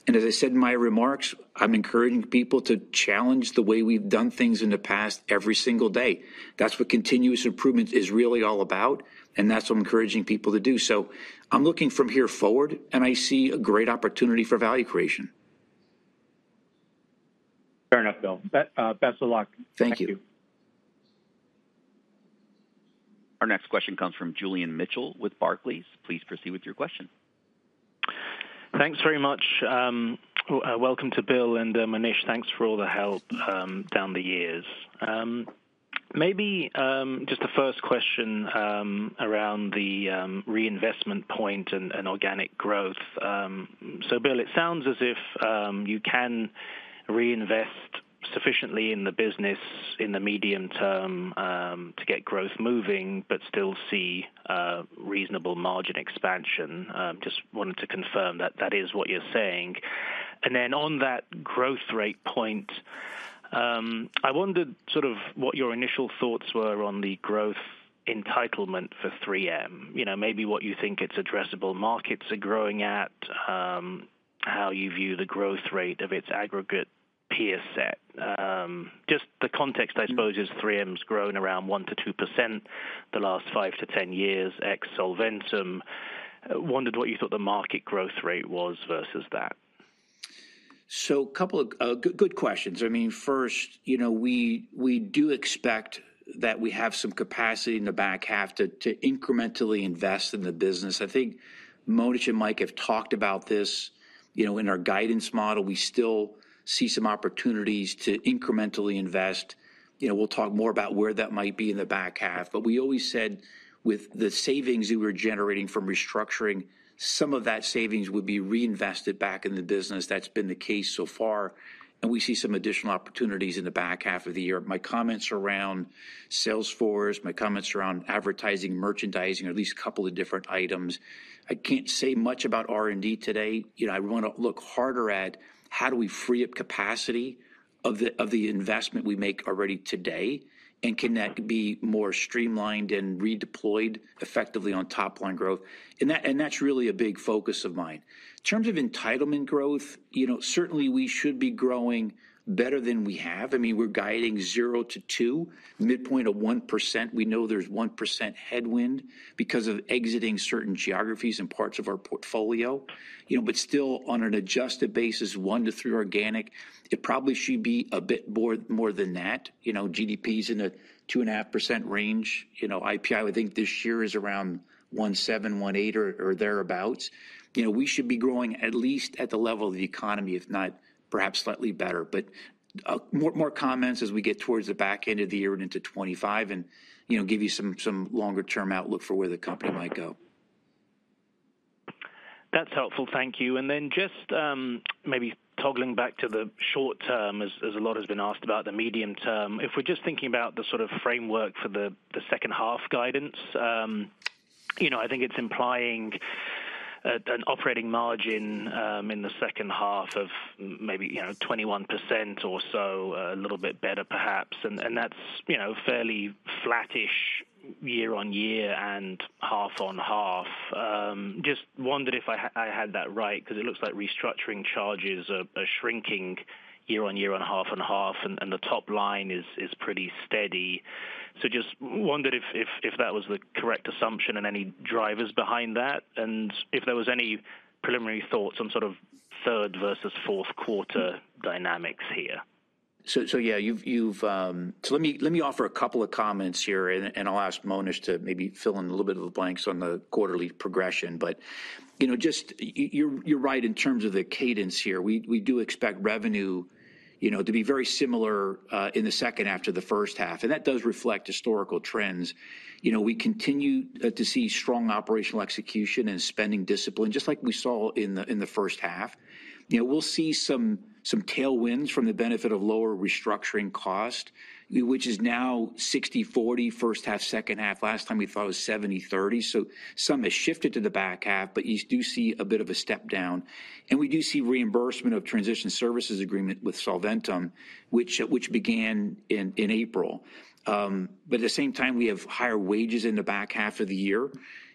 And as I said in my remarks, I'm encouraging people to challenge the way we've done things in the past every single day. That's what continuous improvement is really all about, and that's what I'm encouraging people to do. So I'm looking from here forward, and I see a great opportunity for value creation. Fair enough, Bill. Best of luck. Thank you. Thank you. Our next question comes from Julian Mitchell with Barclays. Please proceed with your question. Thanks very much. Welcome to Bill and Monish. Thanks for all the help down the years. Maybe just a first question around the reinvestment point and organic growth. So, Bill, it sounds as if you can reinvest sufficiently in the business in the medium term to get growth moving but still see reasonable margin expansion. Just wanted to confirm that that is what you're saying. And then on that growth rate point, I wondered sort of what your initial thoughts were on the growth entitlement for 3M, maybe what you think its addressable markets are growing at, how you view the growth rate of its aggregate peer set. Just the context, I suppose, is 3M's grown around 1%-2% the last 5-10 years, ex-Solventum. Wondered what you thought the market growth rate was versus that. So a couple of good questions. I mean, first, we do expect that we have some capacity in the back half to incrementally invest in the business. I think Monish and Mike have talked about this in our guidance model. We still see some opportunities to incrementally invest. We'll talk more about where that might be in the back half. But we always said with the savings we were generating from restructuring, some of that savings would be reinvested back in the business. That's been the case so far. And we see some additional opportunities in the back half of the year. My comments around Salesforce, my comments around advertising, merchandising, or at least a couple of different items. I can't say much about R&D today. I want to look harder at how do we free up capacity of the investment we make already today, and can that be more streamlined and redeployed effectively on top-line growth? And that's really a big focus of mine. In terms of entitlement growth, certainly we should be growing better than we have. I mean, we're guiding 0-2%, midpoint of 1%. We know there's 1% headwind because of exiting certain geographies and parts of our portfolio. But still, on an adjusted basis, 1%-3% organic, it probably should be a bit more than that. GDP's in the 2.5% range. IPI, I think this year is around 1.7, 1.8 or thereabouts. We should be growing at least at the level of the economy, if not perhaps slightly better. But more comments as we get towards the back end of the year and into 2025 and give you some longer-term outlook for where the company might go. That's helpful. Thank you. And then just maybe toggling back to the short term, as a lot has been asked about the medium term, if we're just thinking about the sort of framework for the second half guidance, I think it's implying an operating margin in the second half of maybe 21% or so, a little bit better, perhaps. And that's fairly flattish year-on-year and half-on-half. Just wondered if I had that right because it looks like restructuring charges are shrinking year-on-year and half-on-half, and the top line is pretty steady. So just wondered if that was the correct assumption and any drivers behind that, and if there was any preliminary thoughts on sort of third versus fourth quarter dynamics here? So, yeah, so let me offer a couple of comments here, and I'll ask Monish to maybe fill in a little bit of the blanks on the quarterly progression. But yeah, you're right in terms of the cadence here. We do expect revenue to be very similar in the second half after the first half. And that does reflect historical trends. We continue to see strong operational execution and spending discipline, just like we saw in the first half. We'll see some tailwinds from the benefit of lower restructuring cost, which is now 60/40, first half, second half. Last time, we thought it was 70/30. So some has shifted to the back half, but you do see a bit of a step down. We do see reimbursement of transition services agreement with Solventum, which began in April. But at the same time, we have higher wages in the back half of the year.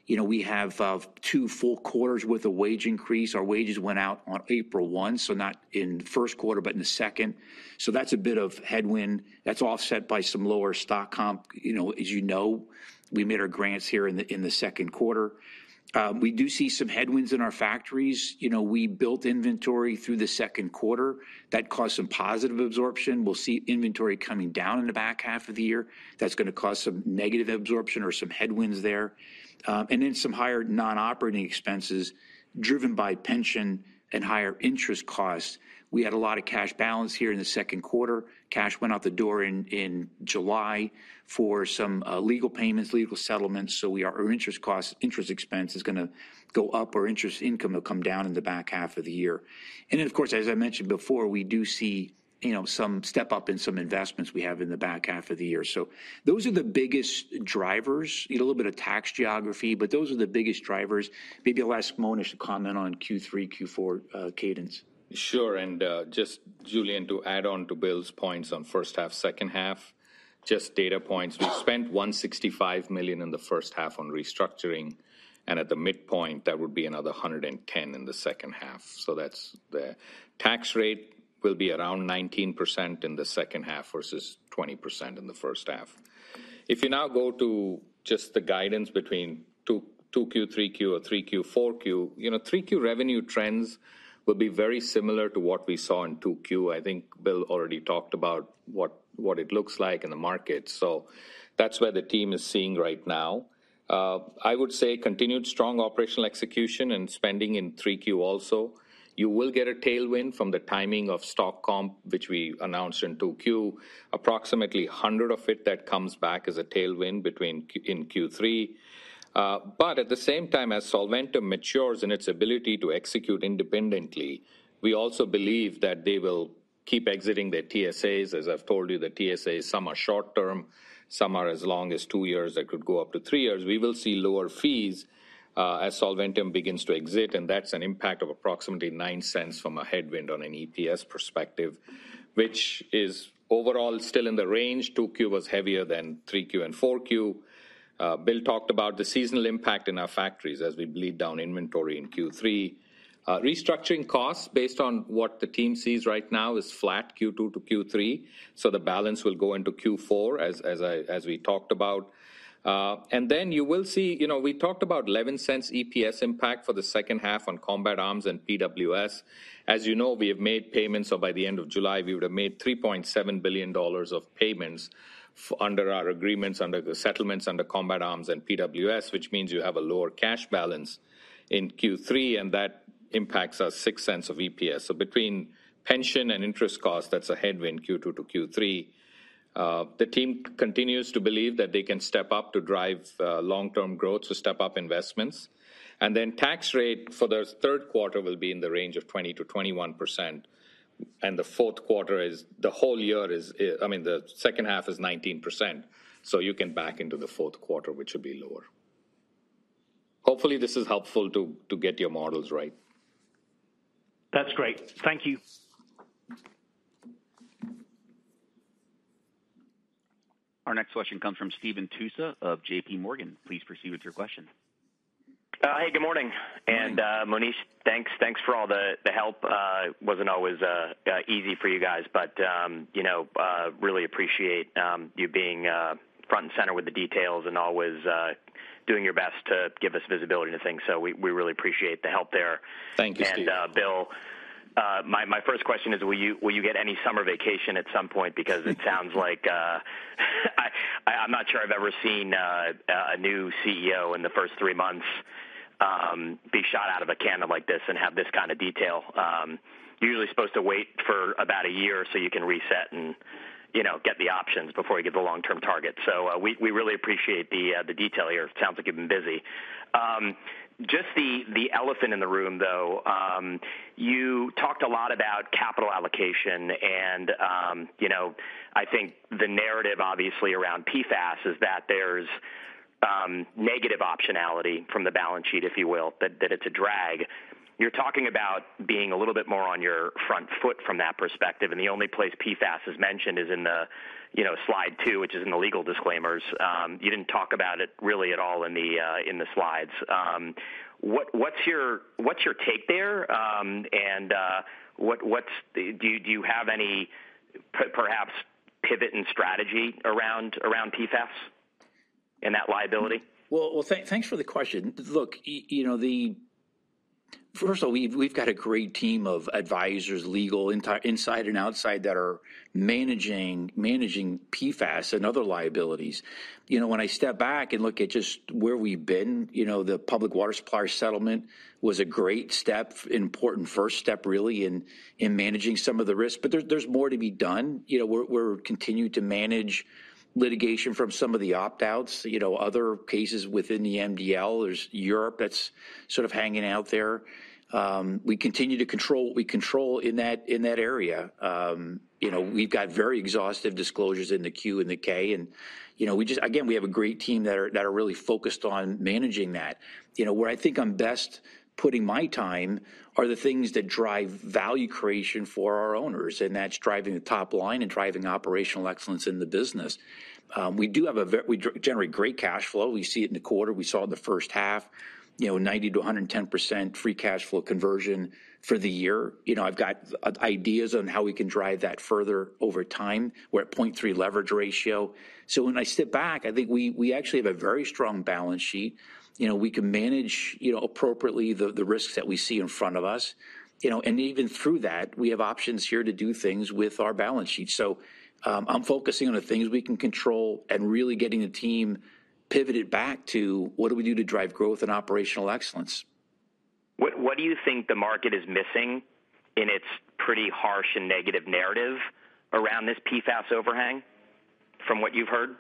We have two full quarters' worth of wage increase. Our wages went out on April 1, so not in the first quarter, but in the second. So that's a bit of headwind. That's offset by some lower stock comp. As you know, we made our grants here in the second quarter. We do see some headwinds in our factories. We built inventory through the second quarter. That caused some positive absorption. We'll see inventory coming down in the back half of the year. That's going to cause some negative absorption or some headwinds there. And then some higher non-operating expenses driven by pension and higher interest costs. We had a lot of cash balance here in the second quarter. Cash went out the door in July for some legal payments, legal settlements. So our interest costs, interest expense is going to go up. Our interest income will come down in the back half of the year. And then, of course, as I mentioned before, we do see some step up in some investments we have in the back half of the year. So those are the biggest drivers. A little bit of tax geography, but those are the biggest drivers. Maybe I'll ask Monish to comment on Q3, Q4 cadence. Sure. And just, Julian, to add on to Bill's points on first half, second half, just data points. We spent $165 million in the first half on restructuring. At the midpoint, that would be another $110 in the second half. That's the tax rate will be around 19% in the second half versus 20% in the first half. If you now go to just the guidance between 2Q, 3Q, or 3Q, 4Q, 3Q revenue trends will be very similar to what we saw in 2Q. I think Bill already talked about what it looks like in the market. That's where the team is seeing right now. I would say continued strong operational execution and spending in 3Q also. You will get a tailwind from the timing of stock comp, which we announced in 2Q. Approximately $100 of it that comes back as a tailwind in Q3. But at the same time, as Solventum matures in its ability to execute independently, we also believe that they will keep exiting their TSAs. As I've told you, the TSAs, some are short-term, some are as long as two years. That could go up to three years. We will see lower fees as Solventum begins to exit. That's an impact of approximately $0.09 from a headwind on an EPS perspective, which is overall still in the range. 2Q was heavier than 3Q and 4Q. Bill talked about the seasonal impact in our factories as we bleed down inventory in Q3. Restructuring costs, based on what the team sees right now, is flat Q2-Q3. The balance will go into Q4, as we talked about. Then you will see we talked about $0.11 EPS impact for the second half on Combat Arms and PWS. As you know, we have made payments. So by the end of July, we would have made $3.7 billion of payments under our agreements, under the settlements under Combat Arms and PWS, which means you have a lower cash balance in Q3. And that impacts us $0.06 of EPS. So between pension and interest costs, that's a headwind Q2 to Q3. The team continues to believe that they can step up to drive long-term growth, so step up investments. And then tax rate for the third quarter will be in the range of 20%-21%. And the fourth quarter is the whole year is I mean, the second half is 19%. So you can back into the fourth quarter, which would be lower. Hopefully, this is helpful to get your models right. That's great. Thank you. Our next question comes from Stephen Tusa of JPMorgan. Please proceed with your question. Hi, good morning. Monish, thanks. Thanks for all the help. It wasn't always easy for you guys, but really appreciate you being front and center with the details and always doing your best to give us visibility into things. So we really appreciate the help there. Thank you, Steve. And Bill, my first question is, will you get any summer vacation at some point? Because it sounds like I'm not sure I've ever seen a new CEO in the first three months be shot out of a cannon like this and have this kind of detail. You're usually supposed to wait for about a year so you can reset and get the options before you get the long-term target. So we really appreciate the detail here. It sounds like you've been busy. Just the elephant in the room, though, you talked a lot about capital allocation. I think the narrative, obviously, around PFAS is that there's negative optionality from the balance sheet, if you will, that it's a drag. You're talking about being a little bit more on your front foot from that perspective. The only place PFAS is mentioned is in the Slide two, which is in the legal disclaimers. You didn't talk about it really at all in the slides. What's your take there? Do you have any perhaps pivot and strategy around PFAS and that liability? Well, thanks for the question. Look, first of all, we've got a great team of advisors, legal, inside and outside, that are managing PFAS and other liabilities. When I step back and look at just where we've been, the public water supplier settlement was a great step, important first step, really, in managing some of the risk. But there's more to be done. We're continuing to manage litigation from some of the opt-outs, other cases within the MDL. There's Europe that's sort of hanging out there. We continue to control what we control in that area. We've got very exhaustive disclosures in the 10-Q and the 10-K. And again, we have a great team that are really focused on managing that. Where I think I'm best putting my time are the things that drive value creation for our owners. And that's driving the top line and driving operational excellence in the business. We generate great cash flow. We see it in the quarter. We saw in the first half, 90%-110% free cash flow conversion for the year. I've got ideas on how we can drive that further over time where at 0.3 leverage ratio. So when I sit back, I think we actually have a very strong balance sheet. We can manage appropriately the risks that we see in front of us. And even through that, we have options here to do things with our balance sheet. So I'm focusing on the things we can control and really getting the team pivoted back to what do we do to drive growth and operational excellence. What do you think the market is missing in its pretty harsh and negative narrative around this PFAS overhang, from what you've heard?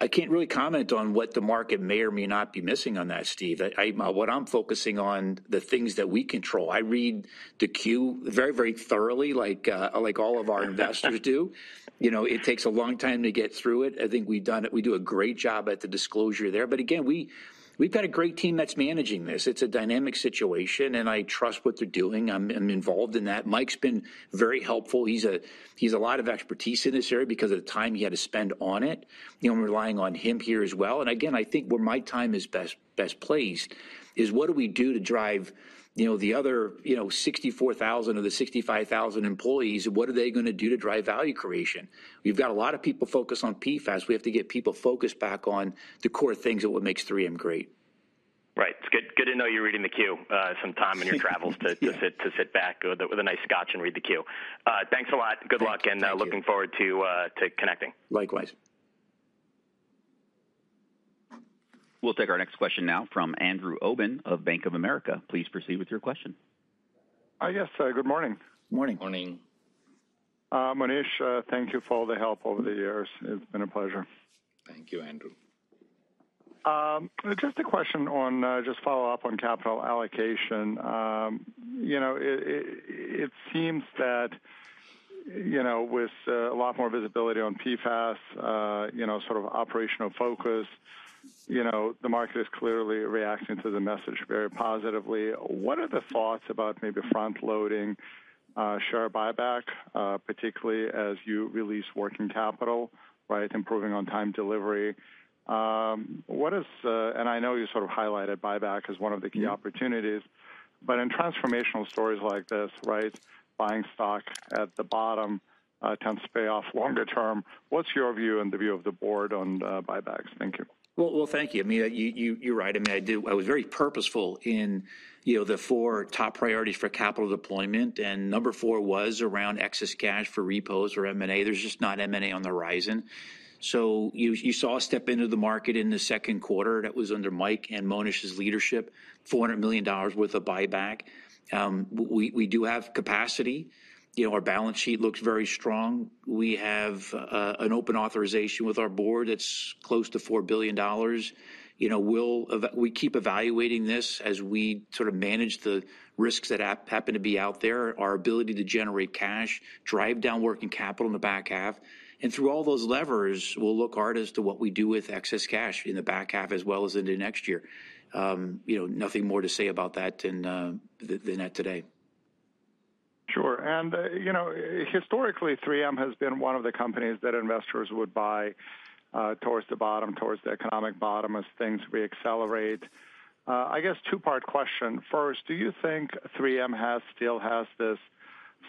I can't really comment on what the market may or may not be missing on that, Steve. What I'm focusing on, the things that we control. I read the Q very, very thoroughly, like all of our investors do. It takes a long time to get through it. I think we've done it. We do a great job at the disclosure there. But again, we've got a great team that's managing this. It's a dynamic situation. And I trust what they're doing. I'm involved in that. Mike's been very helpful. He's a lot of expertise in this area because of the time he had to spend on it. I'm relying on him here as well. And again, I think where my time is best placed is what do we do to drive the other 64,000 of the 65,000 employees? What are they going to do to drive value creation? We've got a lot of people focused on PFAS. We have to get people focused back on the core things of what makes 3M great. Right. It's good to know you're reading the queue some time in your travels to sit back with a nice scotch and read the queue. Thanks a lot. Good luck. And looking forward to connecting. Likewise. We'll take our next question now from Andrew Obin of Bank of America. Please proceed with your question. Hi, yes. Good morning. Good morning. Morning. Monish, thank you for all the help over the years. It's been a pleasure. Thank you, Andrew. Just a question on just follow-up on capital allocation. It seems that with a lot more visibility on PFAS, sort of operational focus, the market is clearly reacting to the message very positively. What are the thoughts about maybe front-loading share buyback, particularly as you release working capital, right, improving on time delivery? And I know you sort of highlighted buyback as one of the key opportunities. But in transformational stories like this, right, buying stock at the bottom tends to pay off longer term. What's your view and the view of the board on buybacks? Thank you. Well, thank you. I mean, you're right. I mean, I was very purposeful in the four top priorities for capital deployment. And number four was around excess cash for repos or M&A. There's just not M&A on the horizon. So you saw a step into the market in the second quarter that was under Mike and Monish's leadership, $400 million worth of buyback. We do have capacity. Our balance sheet looks very strong. We have an open authorization with our board that's close to $4 billion. We keep evaluating this as we sort of manage the risks that happen to be out there, our ability to generate cash, drive down working capital in the back half. And through all those levers, we'll look hard as to what we do with excess cash in the back half as well as into next year. Nothing more to say about that than that today. Sure. Historically, 3M has been one of the companies that investors would buy towards the bottom, towards the economic bottom as things reaccelerate. I guess two-part question. First, do you think 3M still has this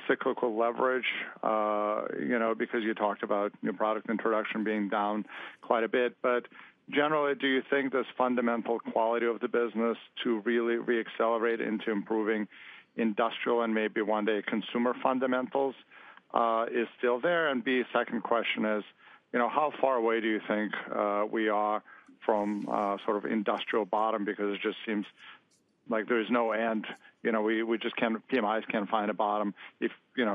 cyclical leverage? Because you talked about your product introduction being down quite a bit. But generally, do you think this fundamental quality of the business to really reaccelerate into improving industrial and maybe one day consumer fundamentals is still there? And B, second question is, how far away do you think we are from sort of industrial bottom? Because it just seems like there is no end. We just can't. PMIs can't find a bottom. If you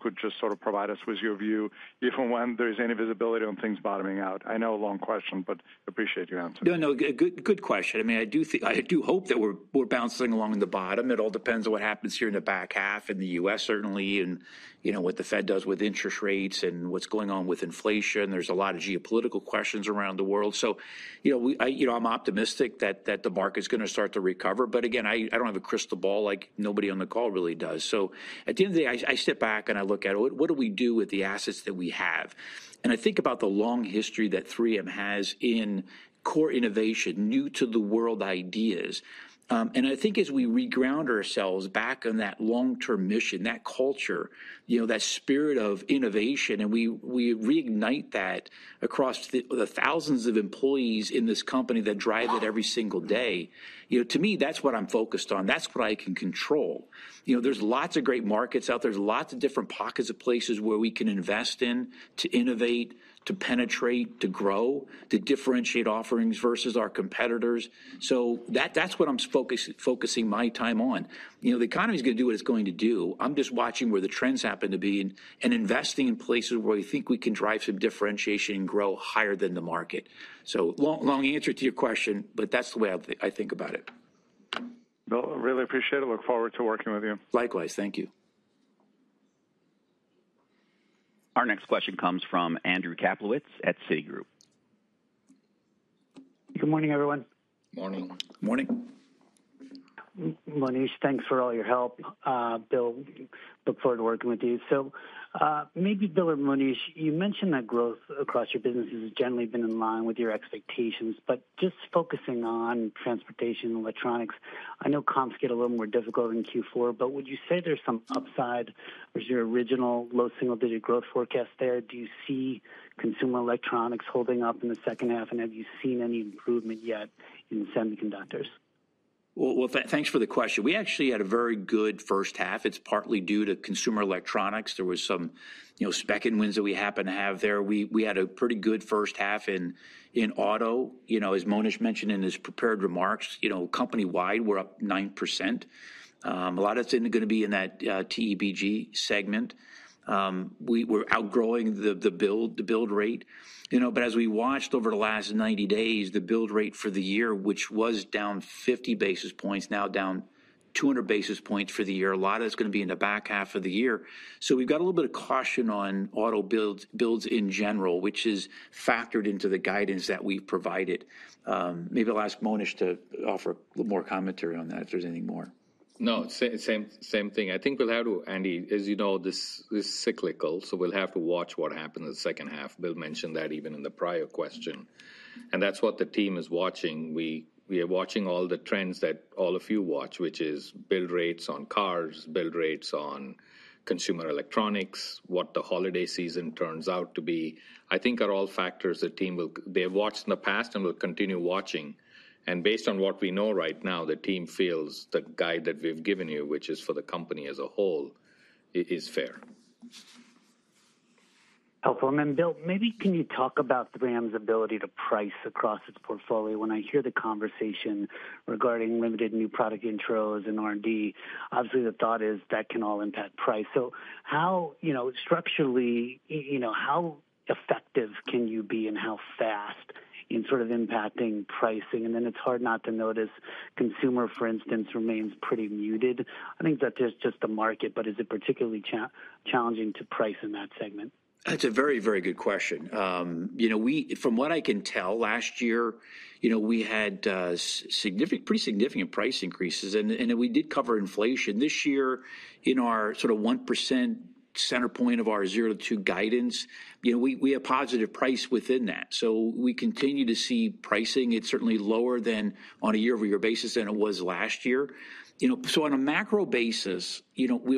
could just sort of provide us with your view, if and when there is any visibility on things bottoming out. I know a long question, but appreciate your answer. No, no. Good question. I mean, I do hope that we're bouncing along the bottom. It all depends on what happens here in the back half in the U.S., certainly, and what the Fed does with interest rates and what's going on with inflation. There's a lot of geopolitical questions around the world. So I'm optimistic that the market's going to start to recover. But again, I don't have a crystal ball like nobody on the call really does. So at the end of the day, I sit back and I look at what do we do with the assets that we have? And I think about the long history that 3M has in core innovation, new-to-the-world ideas. And I think as we reground ourselves back on that long-term mission, that culture, that spirit of innovation, and we reignite that across the thousands of employees in this company that drive it every single day, to me, that's what I'm focused on. That's what I can control. There's lots of great markets out there. There's lots of different pockets of places where we can invest in to innovate, to penetrate, to grow, to differentiate offerings versus our competitors. So that's what I'm focusing my time on. The economy is going to do what it's going to do. I'm just watching where the trends happen to be and investing in places where we think we can drive some differentiation and grow higher than the market. So long answer to your question, but that's the way I think about it. Well, I really appreciate it. Look forward to working with you. Likewise. Thank you. Our next question comes from Andrew Kaplowitz at Citigroup. Good morning, everyone. Morning. Good morning. Monish, thanks for all your help. Bill, look forward to working with you. So maybe, Bill or Monish, you mentioned that growth across your businesses has generally been in line with your expectations. But just focusing on transportation, electronics, I know comps get a little more difficult in Q4. But would you say there's some upside? Was your original low single-digit growth forecast there? Do you see consumer electronics holding up in the second half? And have you seen any improvement yet in semiconductors? Well, thanks for the question. We actually had a very good first half. It's partly due to consumer electronics. There were some spec-in wins that we happened to have there. We had a pretty good first half in auto, as Monish mentioned in his prepared remarks. Company-wide, we're up 9%. A lot of it's going to be in that TEBG segment. We're outgrowing the build rate. But as we watched over the last 90 days, the build rate for the year, which was down 50 basis points, now down 200 basis points for the year. A lot of it's going to be in the back half of the year. So we've got a little bit of caution on auto builds in general, which is factored into the guidance that we've provided. Maybe I'll ask Monish to offer a little more commentary on that if there's anything more. No, same thing. I think we'll have to, Andy, as you know, this is cyclical. So we'll have to watch what happens in the second half. Bill mentioned that even in the prior question. And that's what the team is watching. We are watching all the trends that all of you watch, which is build rates on cars, build rates on consumer electronics, what the holiday season turns out to be. I think are all factors the team will they have watched in the past and will continue watching. Based on what we know right now, the team feels the guide that we've given you, which is for the company as a whole, is fair. Helpful. Then, Bill, maybe can you talk about 3M's ability to price across its portfolio? When I hear the conversation regarding limited new product intros and R&D, obviously, the thought is that can all impact price. So structurally, how effective can you be and how fast in sort of impacting pricing? Then it's hard not to notice consumer, for instance, remains pretty muted. I think that there's just the market, but is it particularly challenging to price in that segment? That's a very, very good question. From what I can tell, last year, we had pretty significant price increases. We did cover inflation. This year, in our sort of 1% center point of our 0%-2% guidance, we have positive price within that. We continue to see pricing. It's certainly lower than on a year-over-year basis than it was last year. On a macro basis,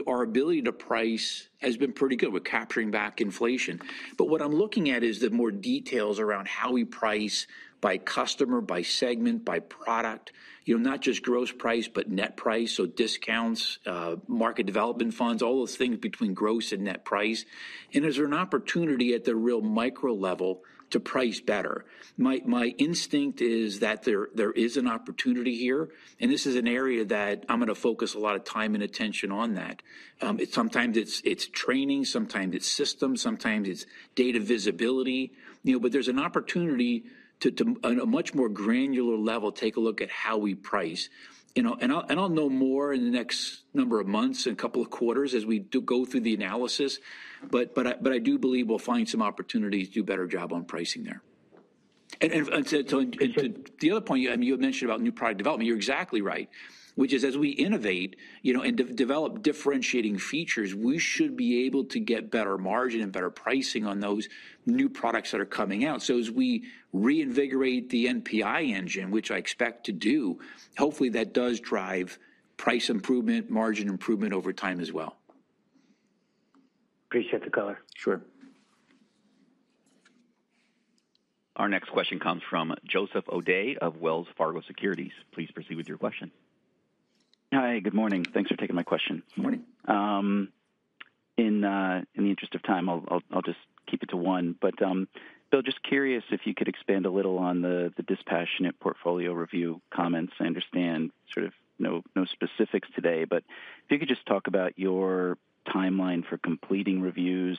our ability to price has been pretty good. We're capturing back inflation. But what I'm looking at is the more details around how we price by customer, by segment, by product, not just gross price, but net price, so discounts, market development funds, all those things between gross and net price. And is there an opportunity at the real micro level to price better? My instinct is that there is an opportunity here. And this is an area that I'm going to focus a lot of time and attention on that. Sometimes it's training, sometimes it's systems, sometimes it's data visibility. But there's an opportunity to, on a much more granular level, take a look at how we price. And I'll know more in the next number of months and a couple of quarters as we go through the analysis. But I do believe we'll find some opportunities to do a better job on pricing there. And to the other point, I mean, you had mentioned about new product development. You're exactly right, which is as we innovate and develop differentiating features, we should be able to get better margin and better pricing on those new products that are coming out. So as we reinvigorate the NPI engine, which I expect to do, hopefully that does drive price improvement, margin improvement over time as well. Appreciate the color. Sure. Our next question comes from Joseph O'Dea of Wells Fargo Securities. Please proceed with your question. Hi, good morning. Thanks for taking my question. Morning. In the interest of time, I'll just keep it to one. But Bill, just curious if you could expand a little on the dispassionate portfolio review comments. I understand sort of no specifics today. But if you could just talk about your timeline for completing reviews.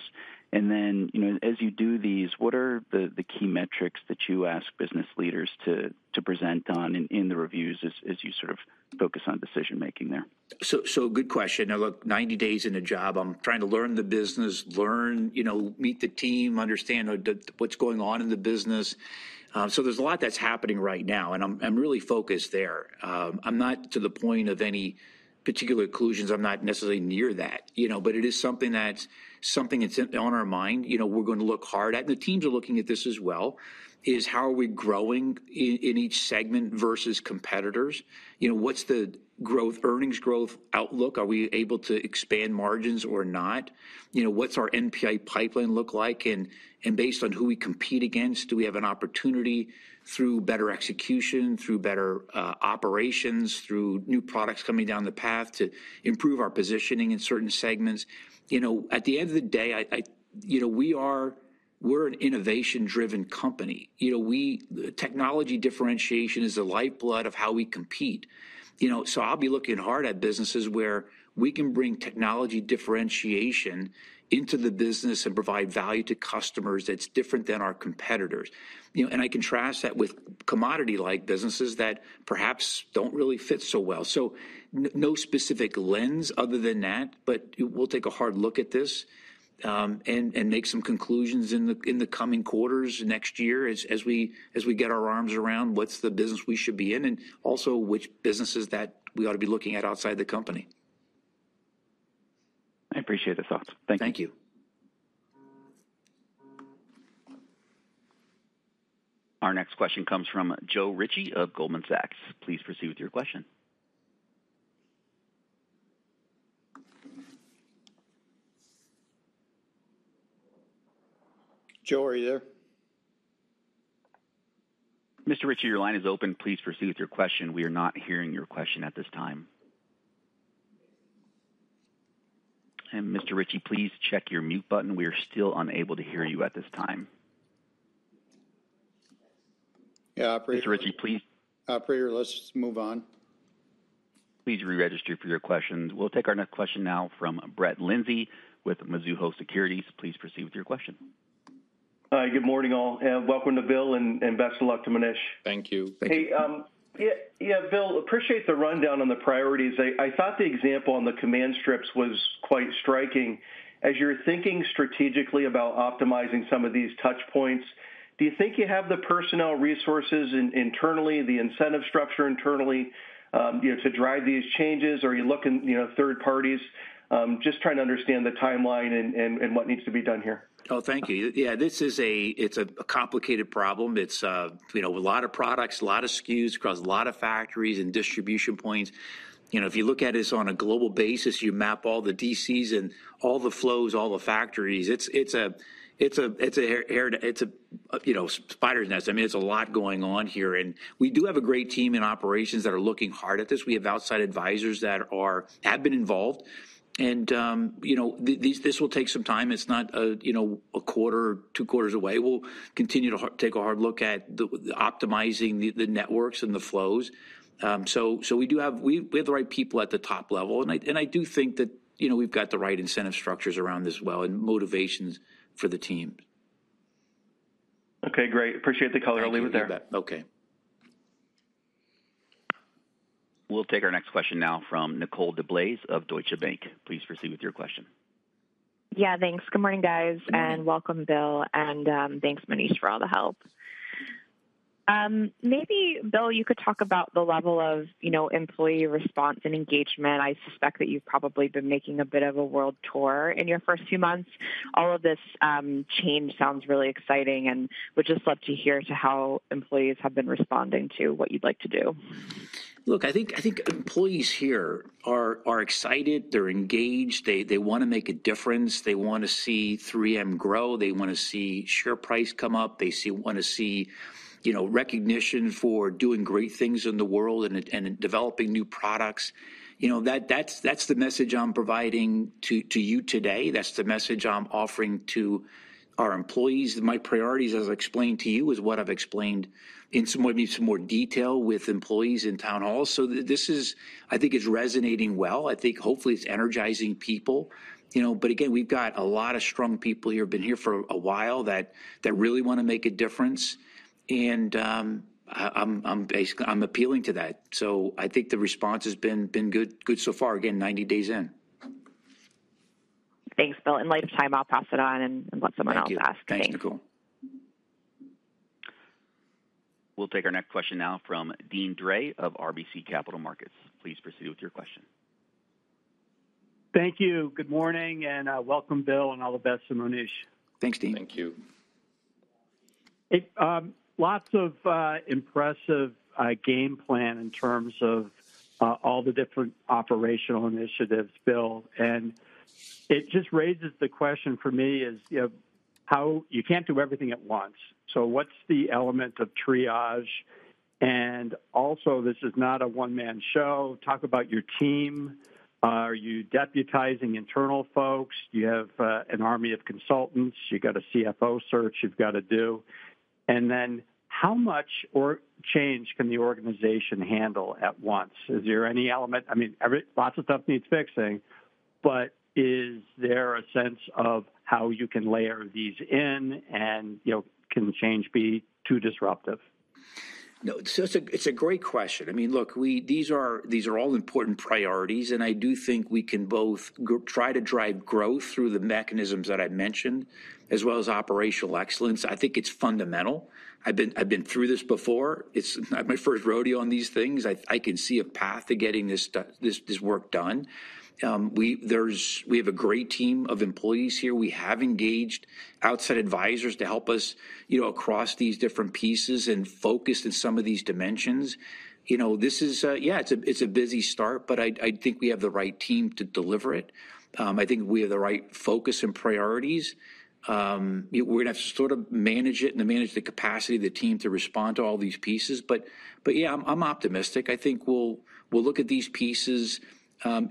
And then as you do these, what are the key metrics that you ask business leaders to present on in the reviews as you sort of focus on decision-making there? So good question. Look, 90 days in a job, I'm trying to learn the business, meet the team, understand what's going on in the business. So there's a lot that's happening right now. And I'm really focused there. I'm not to the point of any particular conclusions. I'm not necessarily near that. But it is something that's on our mind. We're going to look hard at, and the teams are looking at this as well, is how are we growing in each segment versus competitors? What's the earnings growth outlook? Are we able to expand margins or not? What's our NPI pipeline look like? And based on who we compete against, do we have an opportunity through better execution, through better operations, through new products coming down the path to improve our positioning in certain segments? At the end of the day, we're an innovation-driven company. Technology differentiation is the lifeblood of how we compete. So I'll be looking hard at businesses where we can bring technology differentiation into the business and provide value to customers that's different than our competitors. And I contrast that with commodity-like businesses that perhaps don't really fit so well. So no specific lens other than that. But we'll take a hard look at this and make some conclusions in the coming quarters, next year, as we get our arms around what's the business we should be in and also which businesses that we ought to be looking at outside the company. I appreciate the thoughts. Thank you. Thank you. Our next question comes from Joe Ritchie of Goldman Sachs. Please proceed with your question. Joe, are you there? Mr. Ritchie, your line is open. Please proceed with your question. We are not hearing your question at this time. And Mr. Ritchie, please check your mute button. We are still unable to hear you at this time. Yeah, I appreciate it. Mr. Ritchie, please. I appreciate it. Let's just move on. Please re-register for your questions. We'll take our next question now from Brett Linzey with Mizuho Securities. Please proceed with your question. Hi, good morning, all. Welcome to Bill, and best of luck to Monish. Thank you. Thank you. Hey, yeah, Bill, appreciate the rundown on the priorities. I thought the example on the Command strips was quite striking. As you're thinking strategically about optimizing some of these touch points, do you think you have the personnel resources internally, the incentive structure internally to drive these changes, or are you looking at third parties? Just trying to understand the timeline and what needs to be done here. Oh, thank you. Yeah, this is a complicated problem. It's a lot of products, a lot of SKUs across a lot of factories and distribution points. If you look at it on a global basis, you map all the DCs and all the flows, all the factories. It's a spider's nest. I mean, it's a lot going on here. And we do have a great team in operations that are looking hard at this. We have outside advisors that have been involved. And this will take some time. It's not a quarter, two quarters away. We'll continue to take a hard look at optimizing the networks and the flows. So we do have the right people at the top level. And I do think that we've got the right incentive structures around this well and motivations for the teams. Okay, great. Appreciate the color. I'll leave it there. Okay. We'll take our next question now from Nicole DeBlase of Deutsche Bank. Please proceed with your question. Yeah, thanks. Good morning, guys. And welcome, Bill. And thanks, Monish, for all the help. Maybe, Bill, you could talk about the level of employee response and engagement. I suspect that you've probably been making a bit of a world tour in your first few months. All of this change sounds really exciting. And we'd just love to hear how employees have been responding to what you'd like to do. Look, I think employees here are excited. They're engaged. They want to make a difference. They want to see 3M grow. They want to see share price come up. They want to see recognition for doing great things in the world and developing new products. That's the message I'm providing to you today. That's the message I'm offering to our employees. My priorities, as I explained to you, is what I've explained in some more detail with employees in town halls. So I think it's resonating well. I think, hopefully, it's energizing people. But again, we've got a lot of strong people who have been here for a while that really want to make a difference. And I'm appealing to that. So I think the response has been good so far. Again, 90 days in. Thanks, Bill. In lifetime, I'll pass it on and let someone else ask. Thank you. Thank you. Thank you. We'll take our next question now from Deane Dray of RBC Capital Markets. Please proceed with your question. Thank you. Good morning. Welcome, Bill, and all the best to Monish. Thanks, Dean. Thank you. Lots of impressive game plan in terms of all the different operational initiatives, Bill. It just raises the question for me is how you can't do everything at once. So what's the element of triage? And also, this is not a one-man show. Talk about your team. Are you deputizing internal folks? Do you have an army of consultants? You've got a CFO search you've got to do. And then how much change can the organization handle at once? Is there any element? I mean, lots of stuff needs fixing. But is there a sense of how you can layer these in and can change be too disruptive? No, it's a great question. I mean, look, these are all important priorities. I do think we can both try to drive growth through the mechanisms that I mentioned, as well as operational excellence. I think it's fundamental. I've been through this before. It's my first rodeo on these things. I can see a path to getting this work done. We have a great team of employees here. We have engaged outside advisors to help us across these different pieces and focus in some of these dimensions. This is, yeah, it's a busy start, but I think we have the right team to deliver it. I think we have the right focus and priorities. We're going to have to sort of manage it and manage the capacity of the team to respond to all these pieces. But yeah, I'm optimistic. I think we'll look at these pieces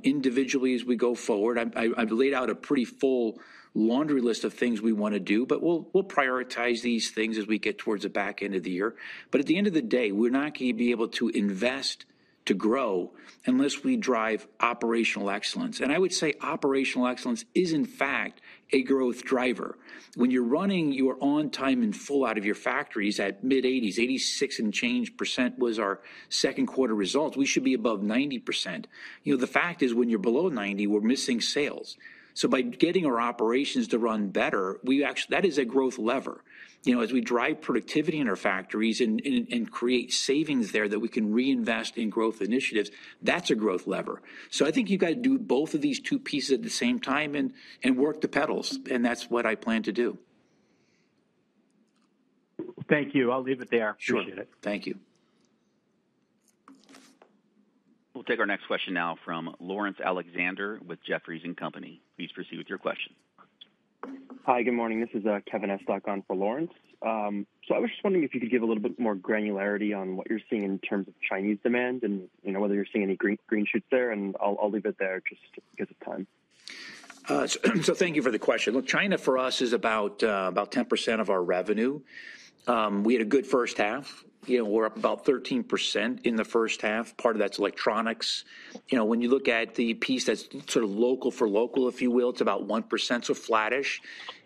individually as we go forward. I've laid out a pretty full laundry list of things we want to do, but we'll prioritize these things as we get towards the back end of the year. At the end of the day, we're not going to be able to invest to grow unless we drive operational excellence. I would say operational excellence is, in fact, a growth driver. When you're running your on-time and full out of your factories at mid-80s, 86% and change was our second quarter results, we should be above 90%. The fact is, when you're below 90%, we're missing sales. By getting our operations to run better, that is a growth lever. As we drive productivity in our factories and create savings there that we can reinvest in growth initiatives, that's a growth lever. I think you've got to do both of these two pieces at the same time and work the pedals. That's what I plan to do. Thank you. I'll leave it there. Appreciate it. Sure. Thank you. We'll take our next question now from Lawrence Alexander with Jefferies. Please proceed with your question. Hi, good morning. This is Kevin Estok on for Lawrence. So I was just wondering if you could give a little bit more granularity on what you're seeing in terms of Chinese demand and whether you're seeing any green shoots there. And I'll leave it there just because of time. So thank you for the question. Look, China for us is about 10% of our revenue. We had a good first half. We're up about 13% in the first half. Part of that's electronics. When you look at the piece that's sort of local for local, if you will, it's about 1%, so flattish,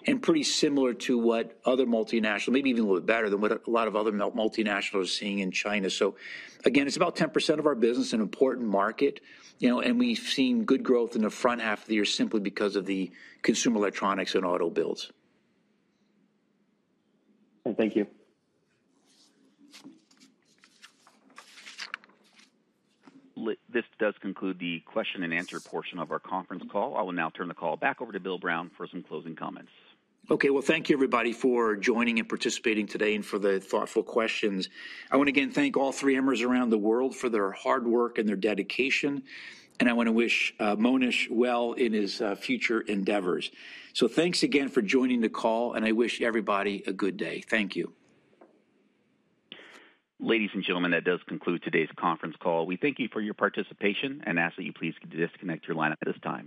and pretty similar to what other multinationals, maybe even a little bit better than what a lot of other multinationals are seeing in China. So again, it's about 10% of our business, an important market. And we've seen good growth in the front half of the year simply because of the consumer electronics and auto builds. Thank you. This does conclude the question-and-answer portion of our conference call. I will now turn the call back over to Bill Brown for some closing comments. Okay, well, thank you, everybody, for joining and participating today and for the thoughtful questions. I want to again thank all 3Mers around the world for their hard work and their dedication. And I want to wish Monish well in his future endeavors. So thanks again for joining the call, and I wish everybody a good day. Thank you. Ladies, and gentlemen, that does conclude today's conference call. We thank you for your participation and ask that you please disconnect your line at this time.